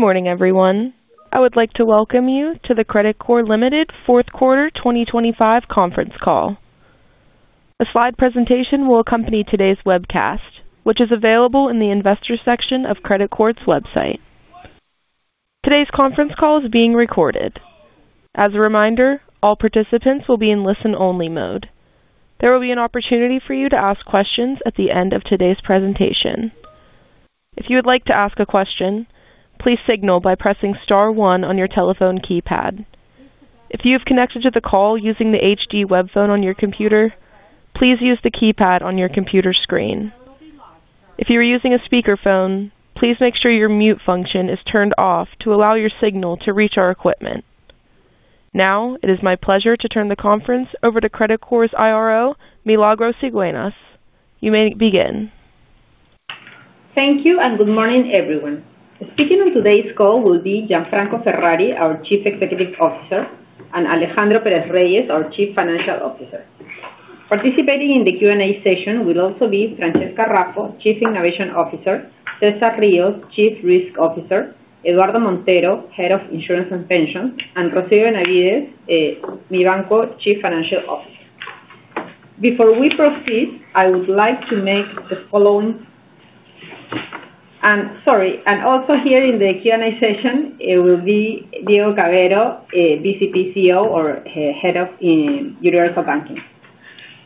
Good morning, everyone. I would like to welcome you to the Credicorp Ltd. Fourth Quarter 2025 conference call. A slide presentation will accompany today's webcast, which is available in the Investors section of Credicorp's website. Today's conference call is being recorded. As a reminder, all participants will be in listen-only mode. There will be an opportunity for you to ask questions at the end of today's presentation. If you would like to ask a question, please signal by pressing star one on your telephone keypad. If you have connected to the call using the HD web phone on your computer, please use the keypad on your computer screen. If you are using a speakerphone, please make sure your mute function is turned off to allow your signal to reach our equipment. Now, it is my pleasure to turn the conference over to Credicorp's IRO, Milagros Cigüeñas. You may begin. Thank you, and good morning, everyone. Speaking on today's call will be Gianfranco Ferrari, our Chief Executive Officer, and Alejandro Pérez-Reyes, our Chief Financial Officer. Participating in the Q&A session will also be Francesca Raffo, Chief Innovation Officer, César Ríos, Chief Risk Officer, Eduardo Montero, Head of Insurance and Pensions, and Rosario Navarro, Mibanco Chief Financial Officer. Before we proceed, I would like to make the following and also here in the Q&A session, it will be Diego Cavero, BCP CEO or Head of Universal Banking.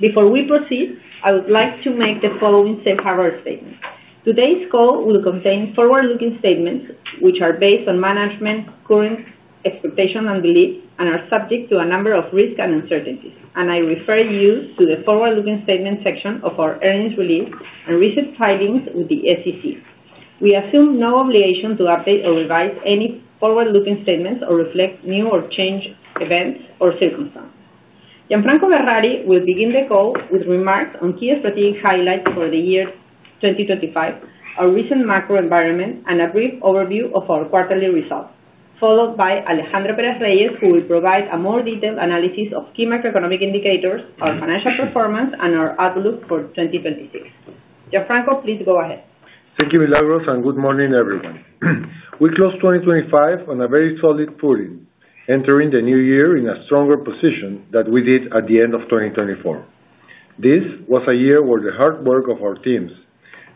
Before we proceed, I would like to make the following safe harbor statement. Today's call will contain forward-looking statements, which are based on management's current expectations and beliefs and are subject to a number of risks and uncertainties, and I refer you to the forward-looking statement section of our earnings release and recent filings with the SEC. We assume no obligation to update or revise any forward-looking statements or reflect new or changed events or circumstances. Gianfranco Ferrari will begin the call with remarks on key strategic highlights over the year 2025, our recent macro environment, and a brief overview of our quarterly results, followed by Alejandro Pérez-Reyes, who will provide a more detailed analysis of key macroeconomic indicators, our financial performance, and our outlook for 2026. Gianfranco, please go ahead. Thank you, Milagros, and good morning, everyone. We closed 2025 on a very solid footing, entering the new year in a stronger position than we did at the end of 2024. This was a year where the hard work of our teams,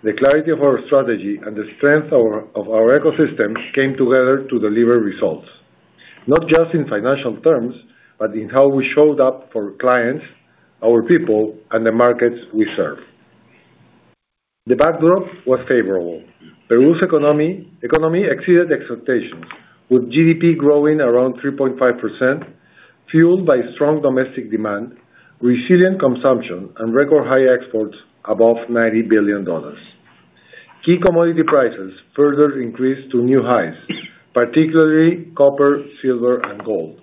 the clarity of our strategy, and the strength of our ecosystem came together to deliver results, not just in financial terms, but in how we showed up for clients, our people, and the markets we serve. The backdrop was favorable. Peru's economy exceeded expectations, with GDP growing around 3.5%, fueled by strong domestic demand, resilient consumption, and record high exports above $90 billion. Key commodity prices further increased to new highs, particularly copper, silver, and gold,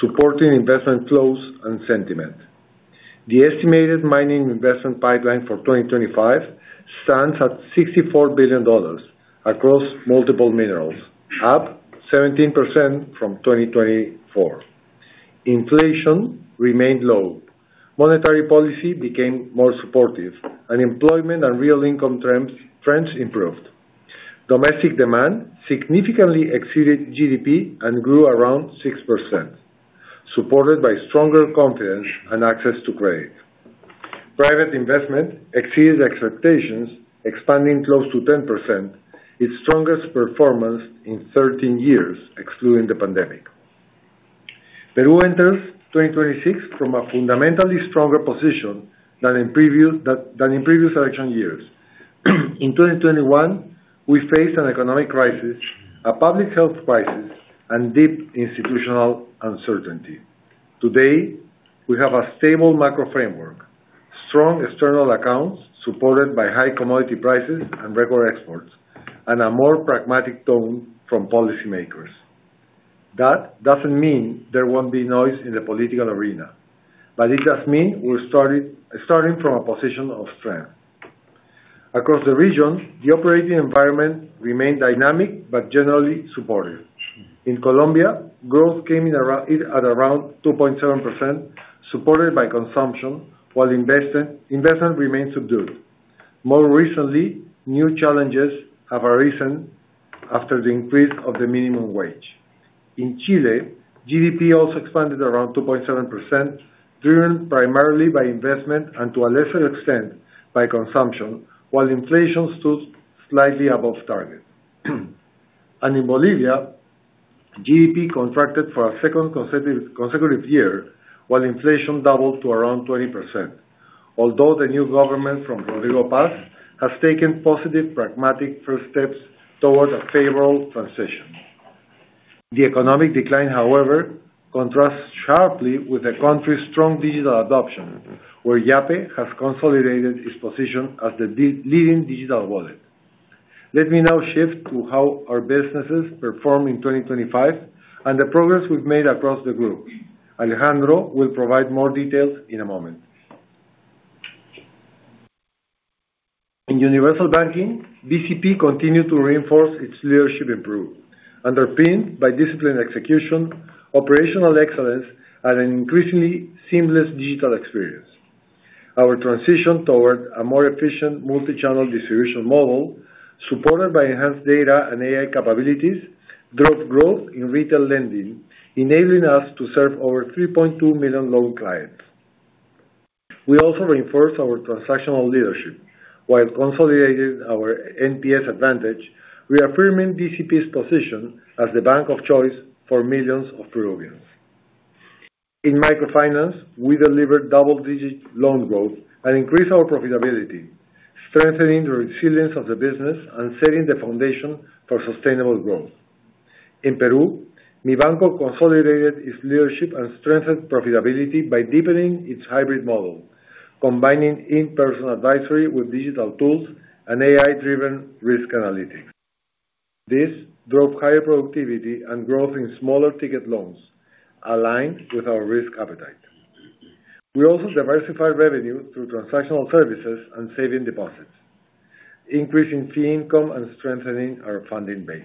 supporting investment flows and sentiment. The estimated mining investment pipeline for 2025 stands at $64 billion across multiple minerals, up 17% from 2024. Inflation remained low, monetary policy became more supportive, and employment and real income trends improved. Domestic demand significantly exceeded GDP and grew around 6%, supported by stronger confidence and access to credit. Private investment exceeded expectations, expanding close to 10%, its strongest performance in 13 years, excluding the pandemic. Peru enters 2026 from a fundamentally stronger position than in previous election years. In 2021, we faced an economic crisis, a public health crisis, and deep institutional uncertainty. Today, we have a stable macro framework, strong external accounts, supported by high commodity prices and regular exports, and a more pragmatic tone from policymakers. That doesn't mean there won't be noise in the political arena, but it does mean we're starting from a position of strength. Across the region, the operating environment remained dynamic but generally supportive. In Colombia, growth came in around 2.7%, supported by consumption, while investment remained subdued. More recently, new challenges have arisen after the increase of the minimum wage. In Chile, GDP also expanded around 2.7%, driven primarily by investment and to a lesser extent by consumption, while inflation stood slightly above target. In Bolivia, GDP contracted for a second consecutive year, while inflation doubled to around 20%. Although the new government from Rodrigo Paz has taken positive, pragmatic first steps towards a favorable transition. The economic decline, however, contrasts sharply with the country's strong digital adoption, where Yape has consolidated its position as the leading digital wallet. Let me now shift to how our businesses performed in 2025 and the progress we've made across the group. Alejandro will provide more details in a moment. In Universal Banking, BCP continued to reinforce its leadership in Peru, underpinned by disciplined execution, operational excellence, and an increasingly seamless digital experience. Our transition toward a more efficient multi-channel distribution model, supported by enhanced data and AI capabilities, drove growth in retail lending, enabling us to serve over 3.2 million loan clients. We also reinforced our transactional leadership, while consolidating our NPS advantage, reaffirming BCP's position as the bank of choice for millions of Peruvians. In microfinance, we delivered double-digit loan growth and increased our profitability, strengthening the resilience of the business and setting the foundation for sustainable growth. In Peru, Mibanco consolidated its leadership and strengthened profitability by deepening its hybrid model, combining in-person advisory with digital tools and AI-driven risk analytics. This drove higher productivity and growth in smaller ticket loans, aligned with our risk appetite. We also diversified revenue through transactional services and saving deposits, increasing fee income and strengthening our funding base.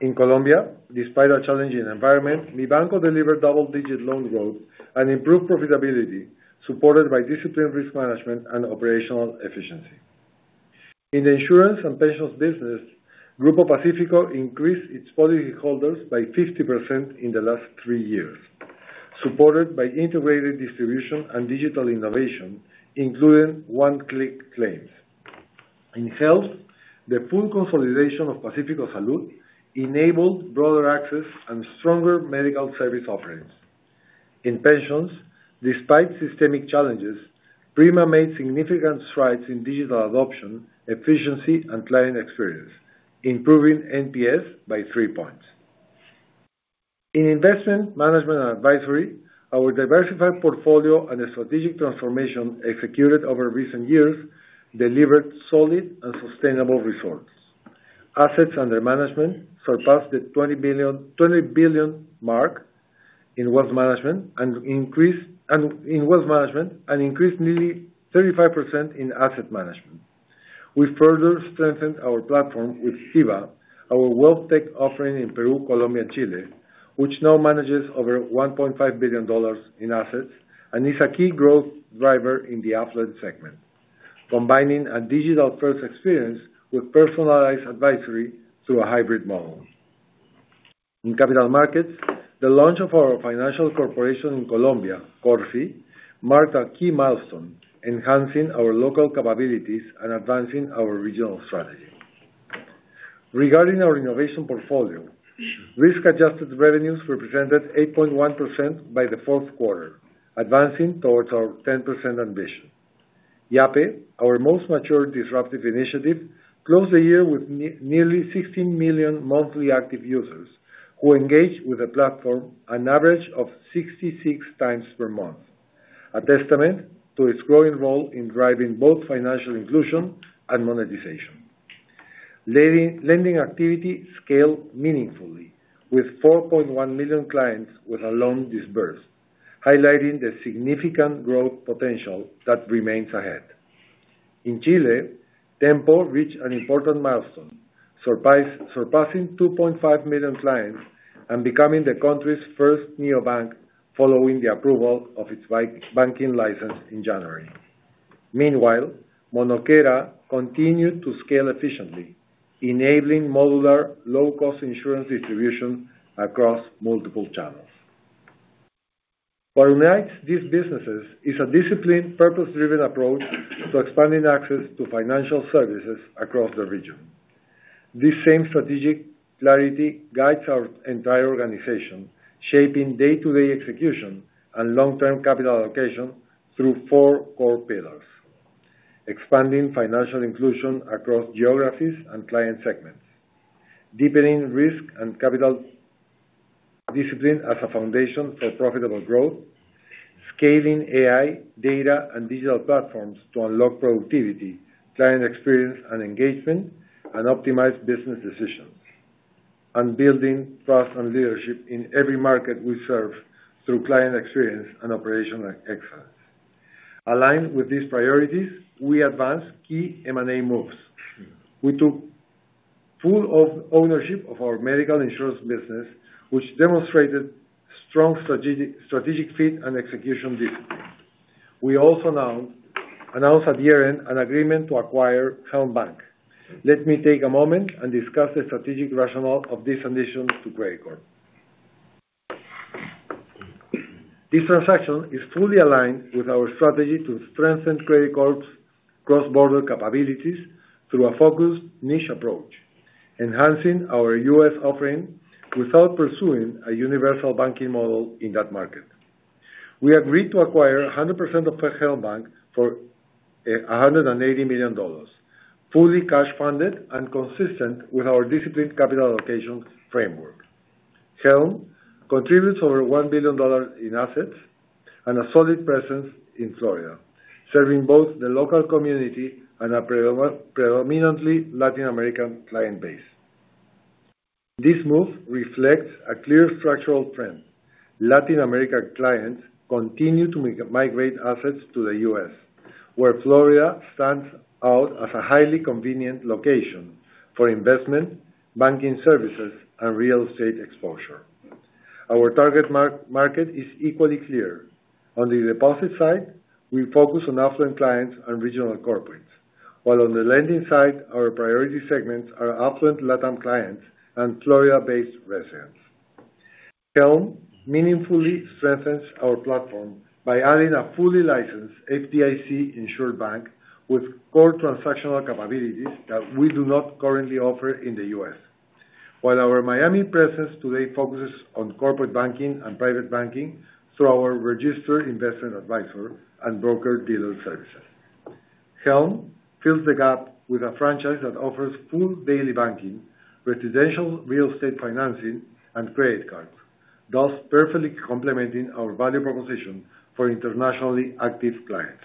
In Colombia, despite a challenging environment, Mibanco delivered double-digit loan growth and improved profitability, supported by disciplined risk management and operational efficiency. In the Insurance and Pensions business, Grupo Pacífico increased its policy holders by 50% in the last three years, supported by integrated distribution and digital innovation, including one-click claims. In health, the full consolidation of Pacífico Salud enabled broader access and stronger medical service offerings. In pensions, despite systemic challenges, Prima made significant strides in digital adoption, efficiency, and client experience, improving NPS by 3 points. In investment management and advisory, our diversified portfolio and the strategic transformation executed over recent years delivered solid and sustainable results. Assets under management surpassed the $20 billion mark in wealth management and increased nearly 35% in asset management. We further strengthened our platform with tyba, our wealth tech offering in Peru, Colombia, and Chile, which now manages over $1.5 billion in assets, and is a key growth driver in the affluent segment, combining a digital-first experience with personalized advisory through a hybrid model. In capital markets, the launch of our financial corporation in Colombia, Corfi, marked a key milestone, enhancing our local capabilities and advancing our regional strategy. Regarding our innovation portfolio, risk-adjusted revenues represented 8.1% by the fourth quarter, advancing towards our 10% ambition. Yape, our most mature disruptive initiative, closed the year with nearly 16 million monthly active users, who engaged with the platform an average of 66 times per month, a testament to its growing role in driving both financial inclusion and monetization. Lending activity scaled meaningfully with 4.1 million clients with a loan disbursed, highlighting the significant growth potential that remains ahead. In Chile, Tenpo reached an important milestone, surpassing 2.5 million clients and becoming the country's first neobank, following the approval of its banking license in January. Meanwhile, Monokera continued to scale efficiently, enabling modular, low-cost insurance distribution across multiple channels. What unites these businesses is a disciplined, purpose-driven approach to expanding access to financial services across the region. This same strategic clarity guides our entire organization, shaping day-to-day execution and long-term capital allocation through four core pillars: expanding financial inclusion across geographies and client segments; deepening risk and capital discipline as a foundation for profitable growth; scaling AI, data, and digital platforms to unlock productivity, client experience and engagement, and optimize business decisions; and building trust and leadership in every market we serve through client experience and operational excellence. Aligned with these priorities, we advanced key M&A moves. We took full ownership of our medical insurance business, which demonstrated strong strategic fit and execution discipline. We also announced at year-end an agreement to acquire Helm Bank. Let me take a moment and discuss the strategic rationale of this addition to Credicorp. This transaction is fully aligned with our strategy to strengthen Credicorp's cross-border capabilities through a focused niche approach, enhancing our U.S. offering without pursuing a universal banking model in that market. We agreed to acquire 100% of Helm Bank for $180 million, fully cash funded and consistent with our disciplined capital allocation framework. Helm contributes over $1 billion in assets and a solid presence in Florida, serving both the local community and a predominantly Latin American client base. This move reflects a clear structural trend. Latin American clients continue to migrate assets to the U.S., where Florida stands out as a highly convenient location for investment, banking services, and real estate exposure.... Our target market is equally clear. On the deposit side, we focus on affluent clients and regional corporates, while on the lending side, our priority segments are affluent Latam clients and Florida-based residents. Helm meaningfully strengthens our platform by adding a fully licensed FDIC-insured bank with core transactional capabilities that we do not currently offer in the U.S. While our Miami presence today focuses on corporate banking and private banking through our registered investment advisors and broker-dealer services, Helm fills the gap with a franchise that offers full daily banking, residential real estate financing, and credit cards, thus perfectly complementing our value proposition for internationally active clients.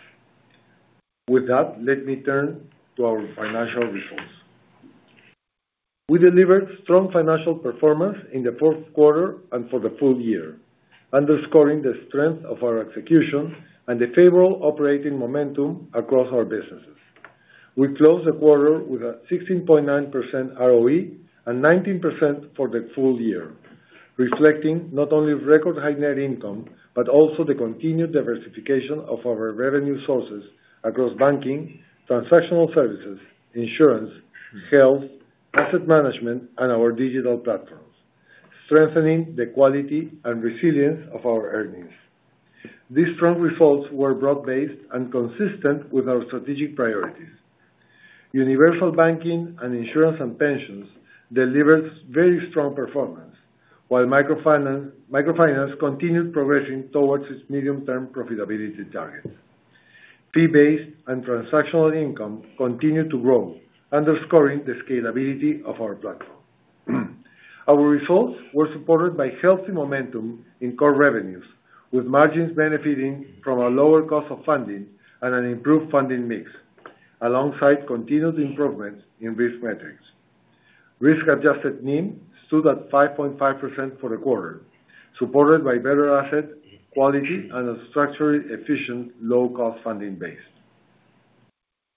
With that, let me turn to our financial results. We delivered strong financial performance in the fourth quarter and for the full year, underscoring the strength of our execution and the favorable operating momentum across our businesses. We closed the quarter with a 16.9% ROE, and 19% for the full year, reflecting not only record high net income, but also the continued diversification of our revenue sources across banking, transactional services, insurance, health, asset management, and our digital platforms, strengthening the quality and resilience of our earnings. These strong results were broad-based and consistent with our strategic priorities. Universal Banking and Insurance and Pensions delivered very strong performance, while Microfinance continued progressing towards its medium-term profitability target. Fee-based and transactional income continued to grow, underscoring the scalability of our platform. Our results were supported by healthy momentum in core revenues, with margins benefiting from a lower cost of funding and an improved funding mix, alongside continued improvements in risk metrics. Risk-adjusted NIM stood at 5.5% for the quarter, supported by better asset quality and a structurally efficient, low-cost funding base.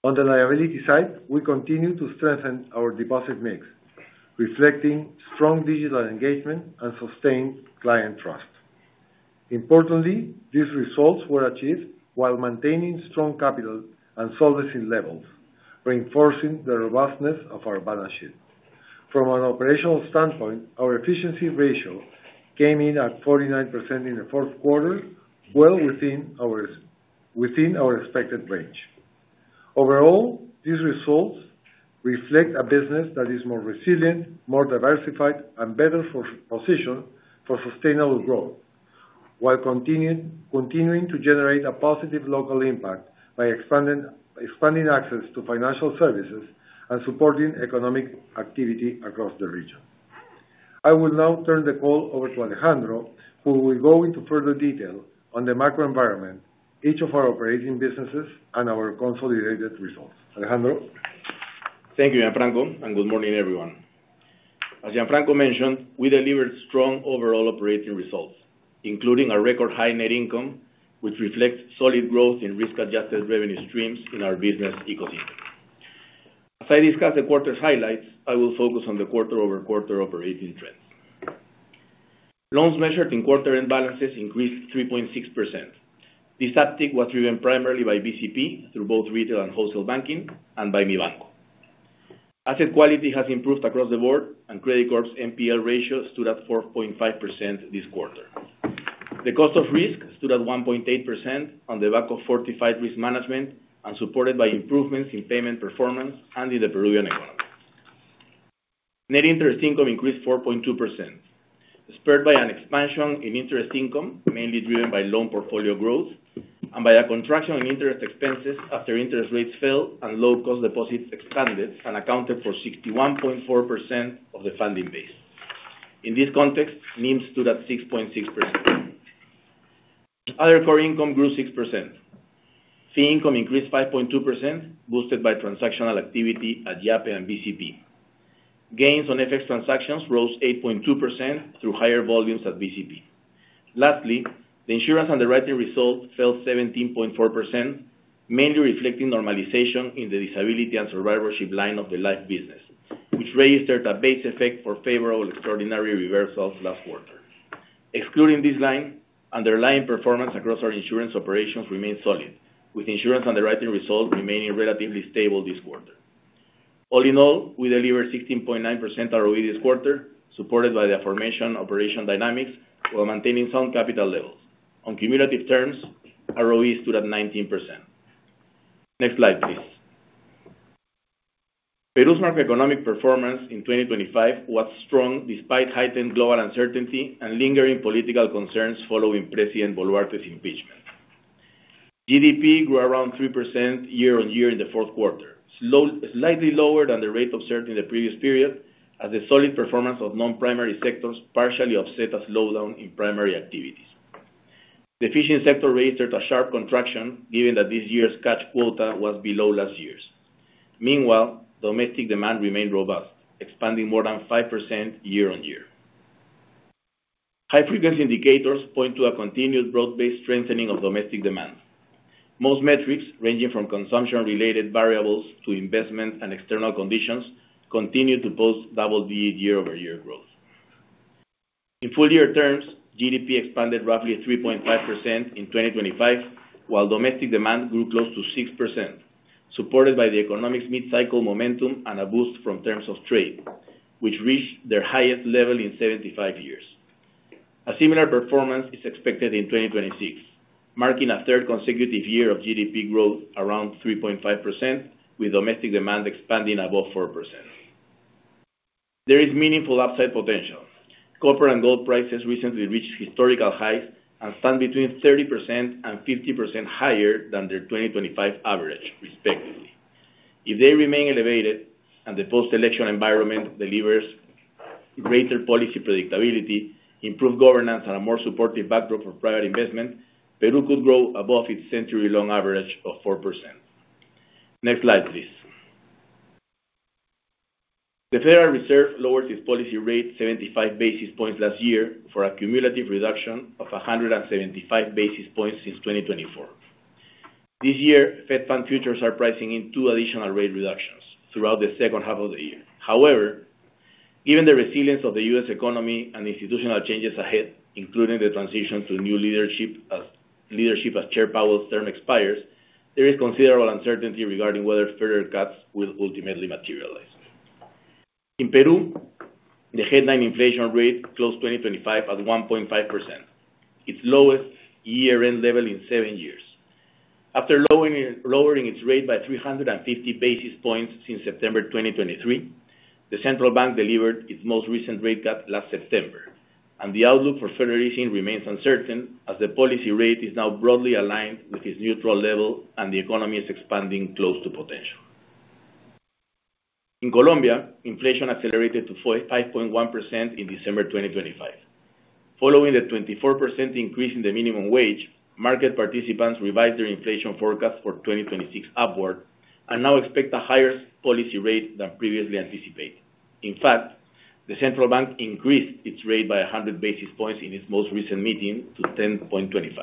On the liability side, we continue to strengthen our deposit mix, reflecting strong digital engagement and sustained client trust. Importantly, these results were achieved while maintaining strong capital and solvency levels, reinforcing the robustness of our balance sheet. From an operational standpoint, our efficiency ratio came in at 49% in the fourth quarter, well within our expected range. Overall, these results reflect a business that is more resilient, more diversified, and better positioned for sustainable growth, while continuing to generate a positive local impact by expanding access to financial services and supporting economic activity across the region. I will now turn the call over to Alejandro, who will go into further detail on the macro environment, each of our operating businesses, and our consolidated results. Alejandro? Thank you, Gianfranco, and good morning, everyone. As Gianfranco mentioned, we delivered strong overall operating results, including a record high net income, which reflects solid growth in risk-adjusted revenue streams in our business ecosystem. As I discuss the quarter's highlights, I will focus on the quarter-over-quarter operating trends. Loans measured in quarter-end balances increased 3.6%. This uptick was driven primarily by BCP, through both retail and wholesale banking, and by Mibanco. Asset quality has improved across the board, and Credicorp's NPL ratio stood at 4.5% this quarter. The cost of risk stood at 1.8% on the back of fortified risk management and supported by improvements in payment performance and in the Peruvian economy. Net interest income increased 4.2%, spurred by an expansion in interest income, mainly driven by loan portfolio growth, and by a contraction in interest expenses after interest rates fell and low-cost deposits expanded and accounted for 61.4% of the funding base. In this context, NIM stood at 6.6%. Other core income grew 6%. Fee income increased 5.2%, boosted by transactional activity at Yape and BCP. Gains on FX transactions rose 8.2% through higher volumes at BCP. Lastly, the insurance underwriting result fell 17.4%, mainly reflecting normalization in the disability and survivorship line of the life business, which registered a base effect for favorable extraordinary reversals last quarter. Excluding this line, underlying performance across our insurance operations remained solid, with insurance underwriting results remaining relatively stable this quarter. All in all, we delivered 16.9% ROE this quarter, supported by the aforementioned operation dynamics, while maintaining sound capital levels. On cumulative terms, ROE stood at 19%. Next slide, please. Peru's macroeconomic performance in 2025 was strong despite heightened global uncertainty and lingering political concerns following President Boluarte's impeachment. GDP grew around 3% year-on-year in the fourth quarter, slightly lower than the rate observed in the previous period, as the solid performance of non-primary sectors partially offset a slowdown in primary activities. The fishing sector registered a sharp contraction, given that this year's catch quota was below last year's. Meanwhile, domestic demand remained robust, expanding more than 5% year-on-year. High-frequency indicators point to a continued broad-based strengthening of domestic demand. Most metrics, ranging from consumption-related variables to investment and external conditions, continue to post double-digit year-over-year growth. In full year terms, GDP expanded roughly 3.5% in 2025, while domestic demand grew close to 6%, supported by the economic mid-cycle momentum and a boost from terms of trade, which reached their highest level in 75 years. A similar performance is expected in 2026, marking a third consecutive year of GDP growth around 3.5%, with domestic demand expanding above 4%. There is meaningful upside potential. Copper and gold prices recently reached historical highs, and stand between 30% and 50% higher than their 2025 average, respectively. If they remain elevated and the post-election environment delivers greater policy predictability, improved governance, and a more supportive backdrop for private investment, Peru could grow above its century-long average of 4%. Next slide, please. The Federal Reserve lowered its policy rate 75 basis points last year for a cumulative reduction of 175 basis points since 2024. This year, Fed Fund futures are pricing in 2 additional rate reductions throughout the second half of the year. However, given the resilience of the U.S. economy and institutional changes ahead, including the transition to new leadership as Chair Powell's term expires, there is considerable uncertainty regarding whether further cuts will ultimately materialize. In Peru, the headline inflation rate closed 2025 at 1.5%, its lowest year-end level in 7 years. After lowering its rate by 350 basis points since September 2023, the central bank delivered its most recent rate cut last September, and the outlook for further easing remains uncertain, as the policy rate is now broadly aligned with its neutral level, and the economy is expanding close to potential. In Colombia, inflation accelerated to 4.51% in December 2025. Following the 24% increase in the minimum wage, market participants revised their inflation forecast for 2026 upward, and now expect a higher policy rate than previously anticipated. In fact, the central bank increased its rate by 100 basis points in its most recent meeting to 10.25.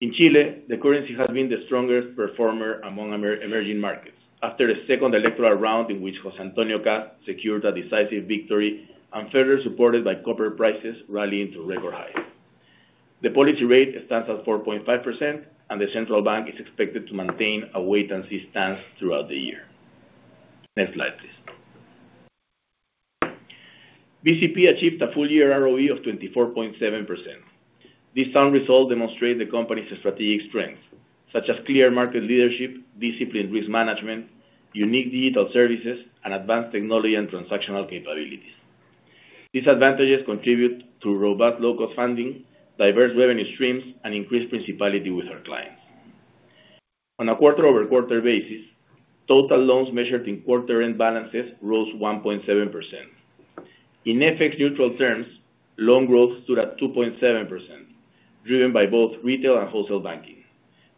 In Chile, the currency has been the strongest performer among emerging markets. After a second electoral round, in which José Antonio Kast secured a decisive victory and further supported by copper prices rallying to record highs. The policy rate stands at 4.5%, and the central bank is expected to maintain a wait-and-see stance throughout the year. Next slide, please. BCP achieved a full-year ROE of 24.7%. This sound result demonstrate the company's strategic strength, such as clear market leadership, disciplined risk management, unique digital services, and advanced technology and transactional capabilities. These advantages contribute to robust local funding, diverse revenue streams, and increased principality with our clients. On a quarter-over-quarter basis, total loans measured in quarter-end balances rose 1.7%. In FX neutral terms, loan growth stood at 2.7%, driven by both retail and wholesale banking.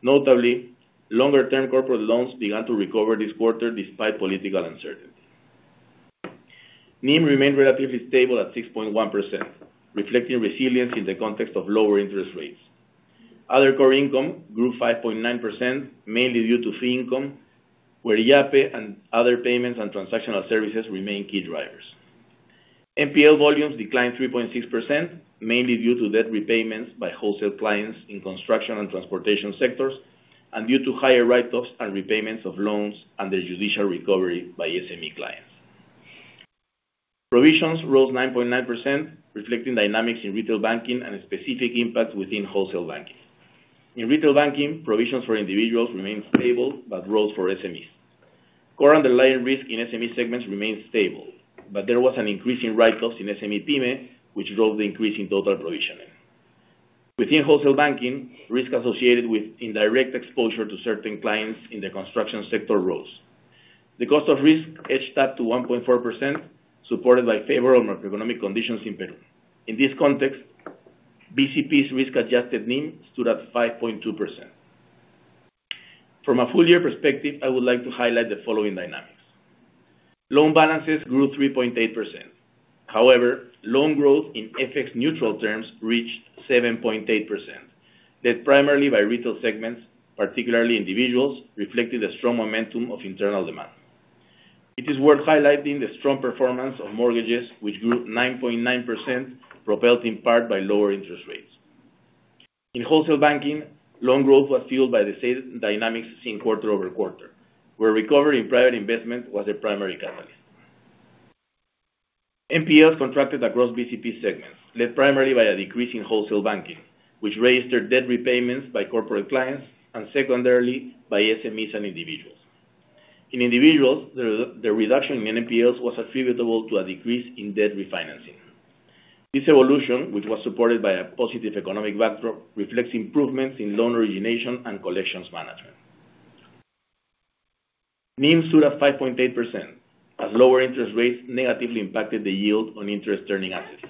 Notably, longer-term corporate loans began to recover this quarter despite political uncertainty. NIM remained relatively stable at 6.1%, reflecting resilience in the context of lower interest rates. Other core income grew 5.9%, mainly due to fee income, where Yape and other payments and transactional services remain key drivers. NPL volumes declined 3.6%, mainly due to debt repayments by wholesale clients in construction and transportation sectors, and due to higher write-offs and repayments of loans under judicial recovery by SME clients. Provisions rose 9.9%, reflecting dynamics in retail banking and specific impacts within wholesale banking. In retail banking, provisions for individuals remained stable, but rose for SMEs. Core underlying risk in SME segments remained stable, but there was an increase in write-offs in SME-Pyme, which drove the increase in total provisioning. Within wholesale banking, risk associated with indirect exposure to certain clients in the construction sector rose. The cost of risk edged up to 1.4%, supported by favorable macroeconomic conditions in Peru. In this context, BCP's risk-adjusted NIM stood at 5.2%. From a full year perspective, I would like to highlight the following dynamics: Loan balances grew 3.8%. However, loan growth in FX neutral terms reached 7.8%, led primarily by retail segments, particularly individuals, reflecting the strong momentum of internal demand. It is worth highlighting the strong performance of mortgages, which grew 9.9%, propelled in part by lower interest rates. In wholesale banking, loan growth was fueled by the sales dynamics in quarter-over-quarter, where recovery in private investment was a primary catalyst. NPLs contracted across BCP segments, led primarily by a decrease in wholesale banking, which raised their debt repayments by corporate clients, and secondarily, by SMEs and individuals. In individuals, the reduction in NPLs was attributable to a decrease in debt refinancing. This evolution, which was supported by a positive economic backdrop, reflects improvements in loan origination and collections management. NIM stood at 5.8%, as lower interest rates negatively impacted the yield on interest-earning assets.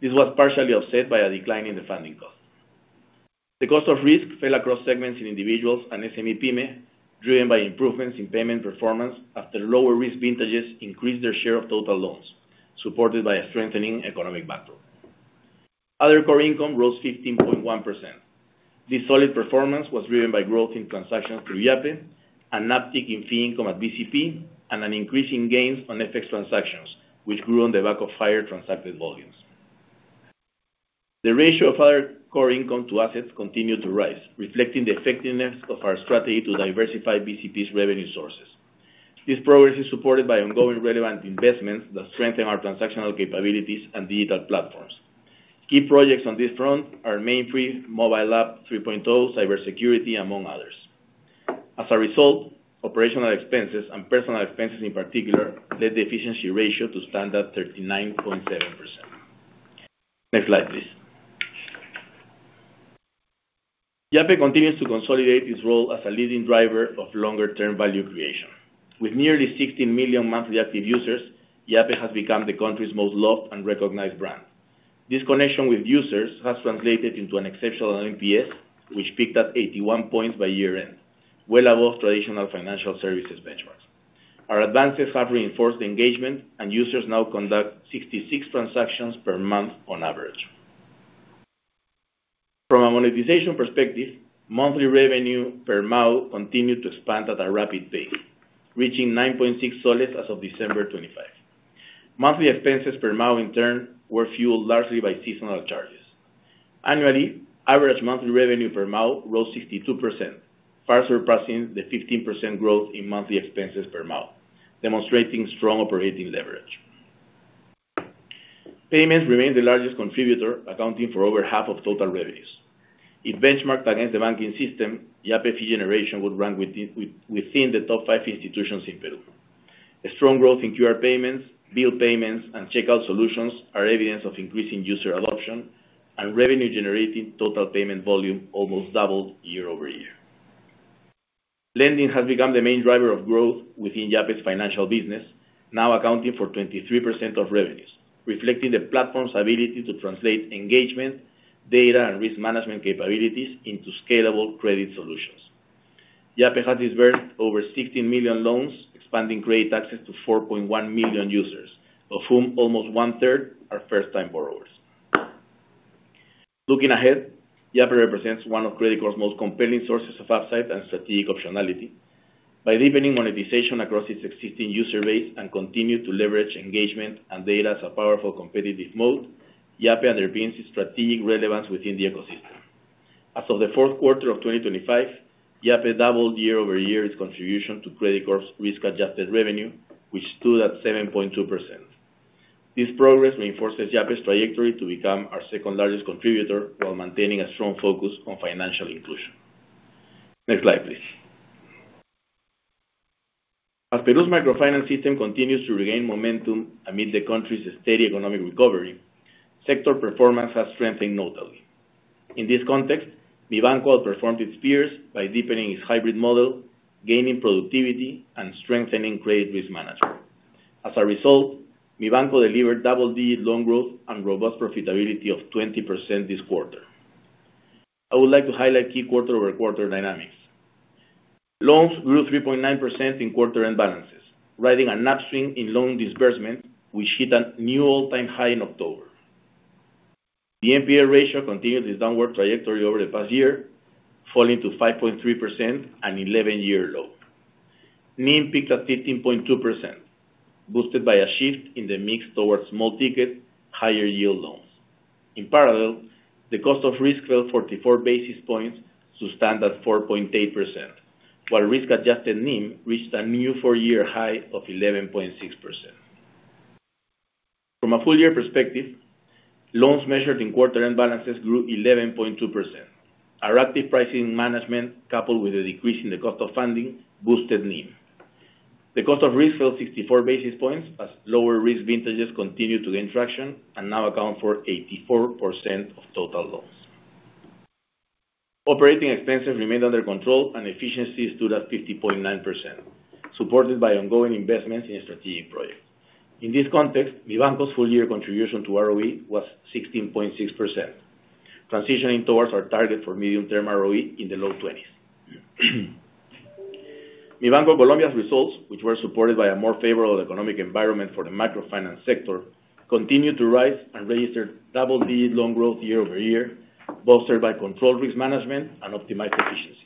This was partially offset by a decline in the funding cost. The cost of risk fell across segments in individuals and SME-Pyme, driven by improvements in payment performance after lower risk vintages increased their share of total loans, supported by a strengthening economic backdrop. Other core income rose 15.1%. This solid performance was driven by growth in transactions through Yape, an uptick in fee income at BCP, and an increase in gains on FX transactions, which grew on the back of higher transacted volumes. The ratio of other core income to assets continued to rise, reflecting the effectiveness of our strategy to diversify BCP's revenue sources. This progress is supported by ongoing relevant investments that strengthen our transactional capabilities and digital platforms. Key projects on this front are Mainframe, Mobile App 3.0, cybersecurity, among others. As a result, operational expenses and personal expenses, in particular, led the efficiency ratio to stand at 39.7%. Next slide, please. Yape continues to consolidate its role as a leading driver of longer term value creation. With nearly 16 million monthly active users, Yape has become the country's most loved and recognized brand. This connection with users has translated into an exceptional NPS, which peaked at 81 points by year-end, well above traditional financial services benchmarks. Our advances have reinforced engagement, and users now conduct 66 transactions per month on average. From a monetization perspective, monthly revenue per MAU continued to expand at a rapid pace, reaching PEN 9.6 as of December 25. Monthly expenses per MAU, in turn, were fueled largely by seasonal charges. Annually, average monthly revenue per MAU rose 62%, far surpassing the 15% growth in monthly expenses per MAU, demonstrating strong operating leverage. Payments remain the largest contributor, accounting for over half of total revenues. If benchmarked against the banking system, Yape fee generation would rank within the top five institutions in Peru. A strong growth in QR payments, bill payments, and checkout solutions are evidence of increasing user adoption and revenue generating total payment volume almost doubled year-over-year. Lending has become the main driver of growth within Yape's financial business, now accounting for 23% of revenues, reflecting the platform's ability to translate engagement, data, and risk management capabilities into scalable credit solutions. Yape has dispersed over 16 million loans, expanding credit access to 4.1 million users, of whom almost one-third are first-time borrowers. Looking ahead, Yape represents one of Credicorp's most compelling sources of upside and strategic optionality. By deepening monetization across its existing user base and continue to leverage engagement and data as a powerful competitive moat, Yape underpins its strategic relevance within the ecosystem. As of the fourth quarter of 2025, Yape doubled year-over-year its contribution to Credicorp's risk-adjusted revenue, which stood at 7.2%. This progress reinforces Yape's trajectory to become our second largest contributor, while maintaining a strong focus on financial inclusion. Next slide, please. As Peru's microfinance system continues to regain momentum amid the country's steady economic recovery, sector performance has strengthened notably. In this context, Mibanco outperformed its peers by deepening its hybrid model, gaining productivity, and strengthening credit risk management. As a result, Mibanco delivered double-digit loan growth and robust profitability of 20% this quarter. I would like to highlight key quarter-over-quarter dynamics. Loans grew 3.9% in quarter-end balances, riding an upswing in loan disbursement, which hit a new all-time high in October. The NPA ratio continued its downward trajectory over the past year, falling to 5.3%, an 11-year low. NIM peaked at 15.2%, boosted by a shift in the mix towards small ticket, higher yield loans. In parallel, the cost of risk fell 44 basis points to stand at 4.8%, while risk-adjusted NIM reached a new four-year high of 11.6%. From a full year perspective, loans measured in quarter end balances grew 11.2%. Our active pricing management, coupled with a decrease in the cost of funding, boosted NIM. The cost of risk fell 64 basis points, as lower risk vintages continued to gain traction and now account for 84% of total loans. Operating expenses remained under control and efficiency stood at 50.9%, supported by ongoing investments in strategic projects. In this context, Mibanco's full year contribution to ROE was 16.6%, transitioning towards our target for medium-term ROE in the low 20s. Mibanco Colombia's results, which were supported by a more favorable economic environment for the microfinance sector, continued to rise and registered double-digit loan growth year-over-year, bolstered by controlled risk management and optimized efficiency.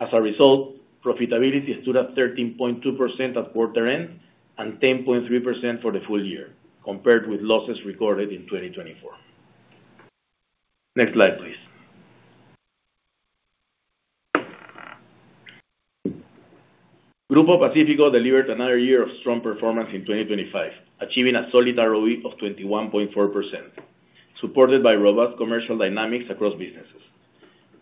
As a result, profitability stood at 13.2% at quarter-end, and 10.3% for the full year, compared with losses recorded in 2024. Next slide, please. Grupo Pacífico delivered another year of strong performance in 2025, achieving a solid ROE of 21.4%, supported by robust commercial dynamics across businesses.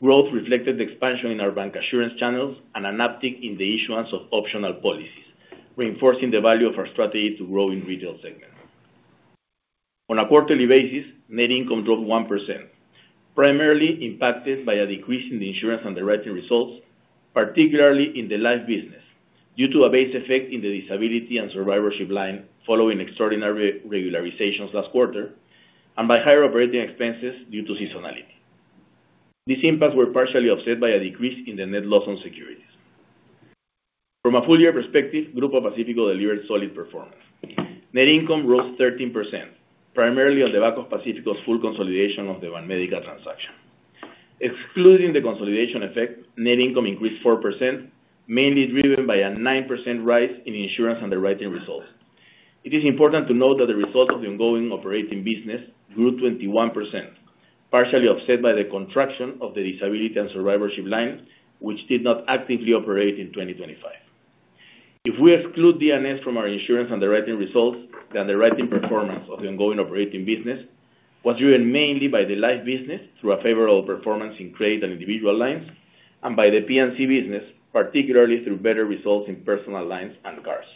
Growth reflected the expansion in our bancassurance channels and an uptick in the issuance of optional policies, reinforcing the value of our strategy to grow in regional segments. On a quarterly basis, net income dropped 1%, primarily impacted by a decrease in the insurance underwriting results, particularly in the life business, due to a base effect in the disability and survivorship line following extraordinary regularizations last quarter, and by higher operating expenses due to seasonality. These impacts were partially offset by a decrease in the net loss on securities.... From a full year perspective, Grupo Pacífico delivered solid performance. Net income rose 13%, primarily on the back of Pacífico's full consolidation of the Banmédica transaction. Excluding the consolidation effect, net income increased 4%, mainly driven by a 9% rise in insurance underwriting results. It is important to note that the results of the ongoing operating business grew 21%, partially offset by the contraction of the disability and survivorship lines, which did not actively operate in 2025. If we exclude D&S from our insurance underwriting results, the underwriting performance of the ongoing operating business was driven mainly by the life business through a favorable performance in trade and individual lines, and by the P&C business, particularly through better results in personal lines and cars.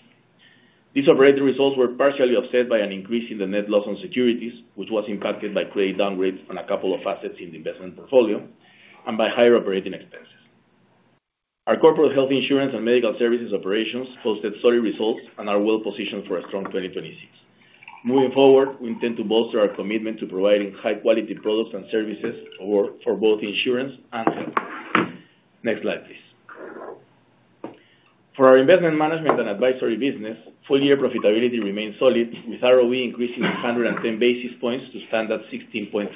These operating results were partially offset by an increase in the net loss on securities, which was impacted by credit downgrades on a couple of assets in the investment portfolio and by higher operating expenses. Our corporate health insurance and medical services operations posted solid results and are well positioned for a strong 2026. Moving forward, we intend to bolster our commitment to providing high quality products and services for, for both insurance and health. Next slide, please. For our investment management and advisory business, full year profitability remains solid, with ROE increasing 110 basis points to stand at 16.4%.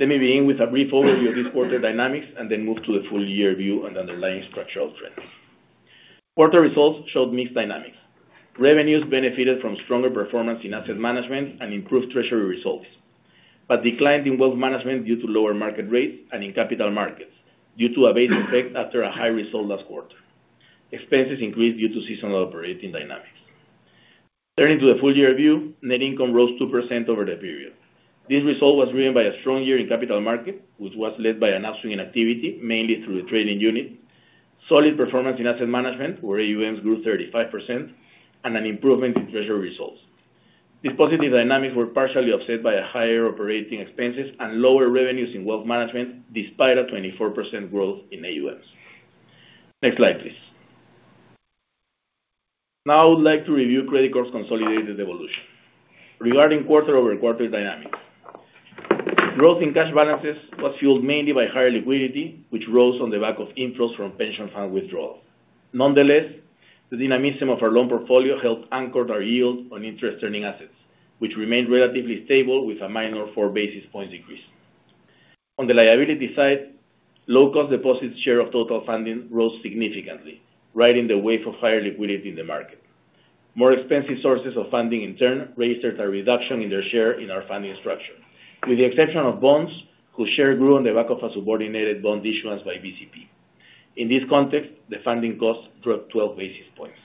Let me begin with a brief overview of this quarter dynamics and then move to the full year view and underlying structural trends. Quarter results showed mixed dynamics. Revenues benefited from stronger performance in asset management and improved treasury results, but declined in wealth management due to lower market rates and in capital markets, due to a base effect after a high result last quarter. Expenses increased due to seasonal operating dynamics. Turning to the full year view, net income rose 2% over the period. This result was driven by a strong year in capital market, which was led by an upswing in activity, mainly through the trading unit, solid performance in asset management, where AUMs grew 35%, and an improvement in treasury results. These positive dynamics were partially offset by a higher operating expenses and lower revenues in wealth management, despite a 24% growth in AUMs. Next slide, please. Now, I would like to review Credicorp's consolidated evolution. Regarding quarter-over-quarter dynamics, growth in cash balances was fueled mainly by higher liquidity, which rose on the back of inflows from pension fund withdrawals. Nonetheless, the dynamism of our loan portfolio helped anchor our yield on interest-earning assets, which remained relatively stable with a minor 4 basis points increase. On the liability side, low-cost deposit share of total funding rose significantly, riding the wave of higher liquidity in the market. More expensive sources of funding in turn, registered a reduction in their share in our funding structure, with the exception of bonds, whose share grew on the back of a subordinated bond issuance by BCP. In this context, the funding cost dropped 12 basis points.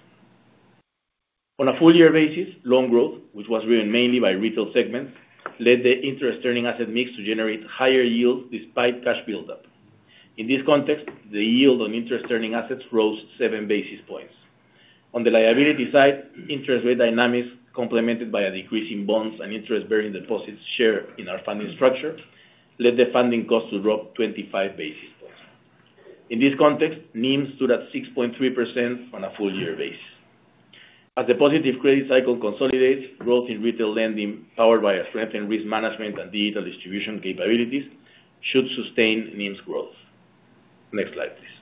On a full year basis, loan growth, which was driven mainly by retail segments, led the interest-earning asset mix to generate higher yields despite cash buildup. In this context, the yield on interest-earning assets rose 7 basis points. On the liability side, interest rate dynamics, complemented by a decrease in bonds and interest-bearing deposits share in our funding structure, led the funding cost to drop 25 basis points. In this context, NIM stood at 6.3% on a full year basis. As the positive credit cycle consolidates, growth in retail lending, powered by a strengthened risk management and digital distribution capabilities, should sustain NIM's growth. Next slide, please.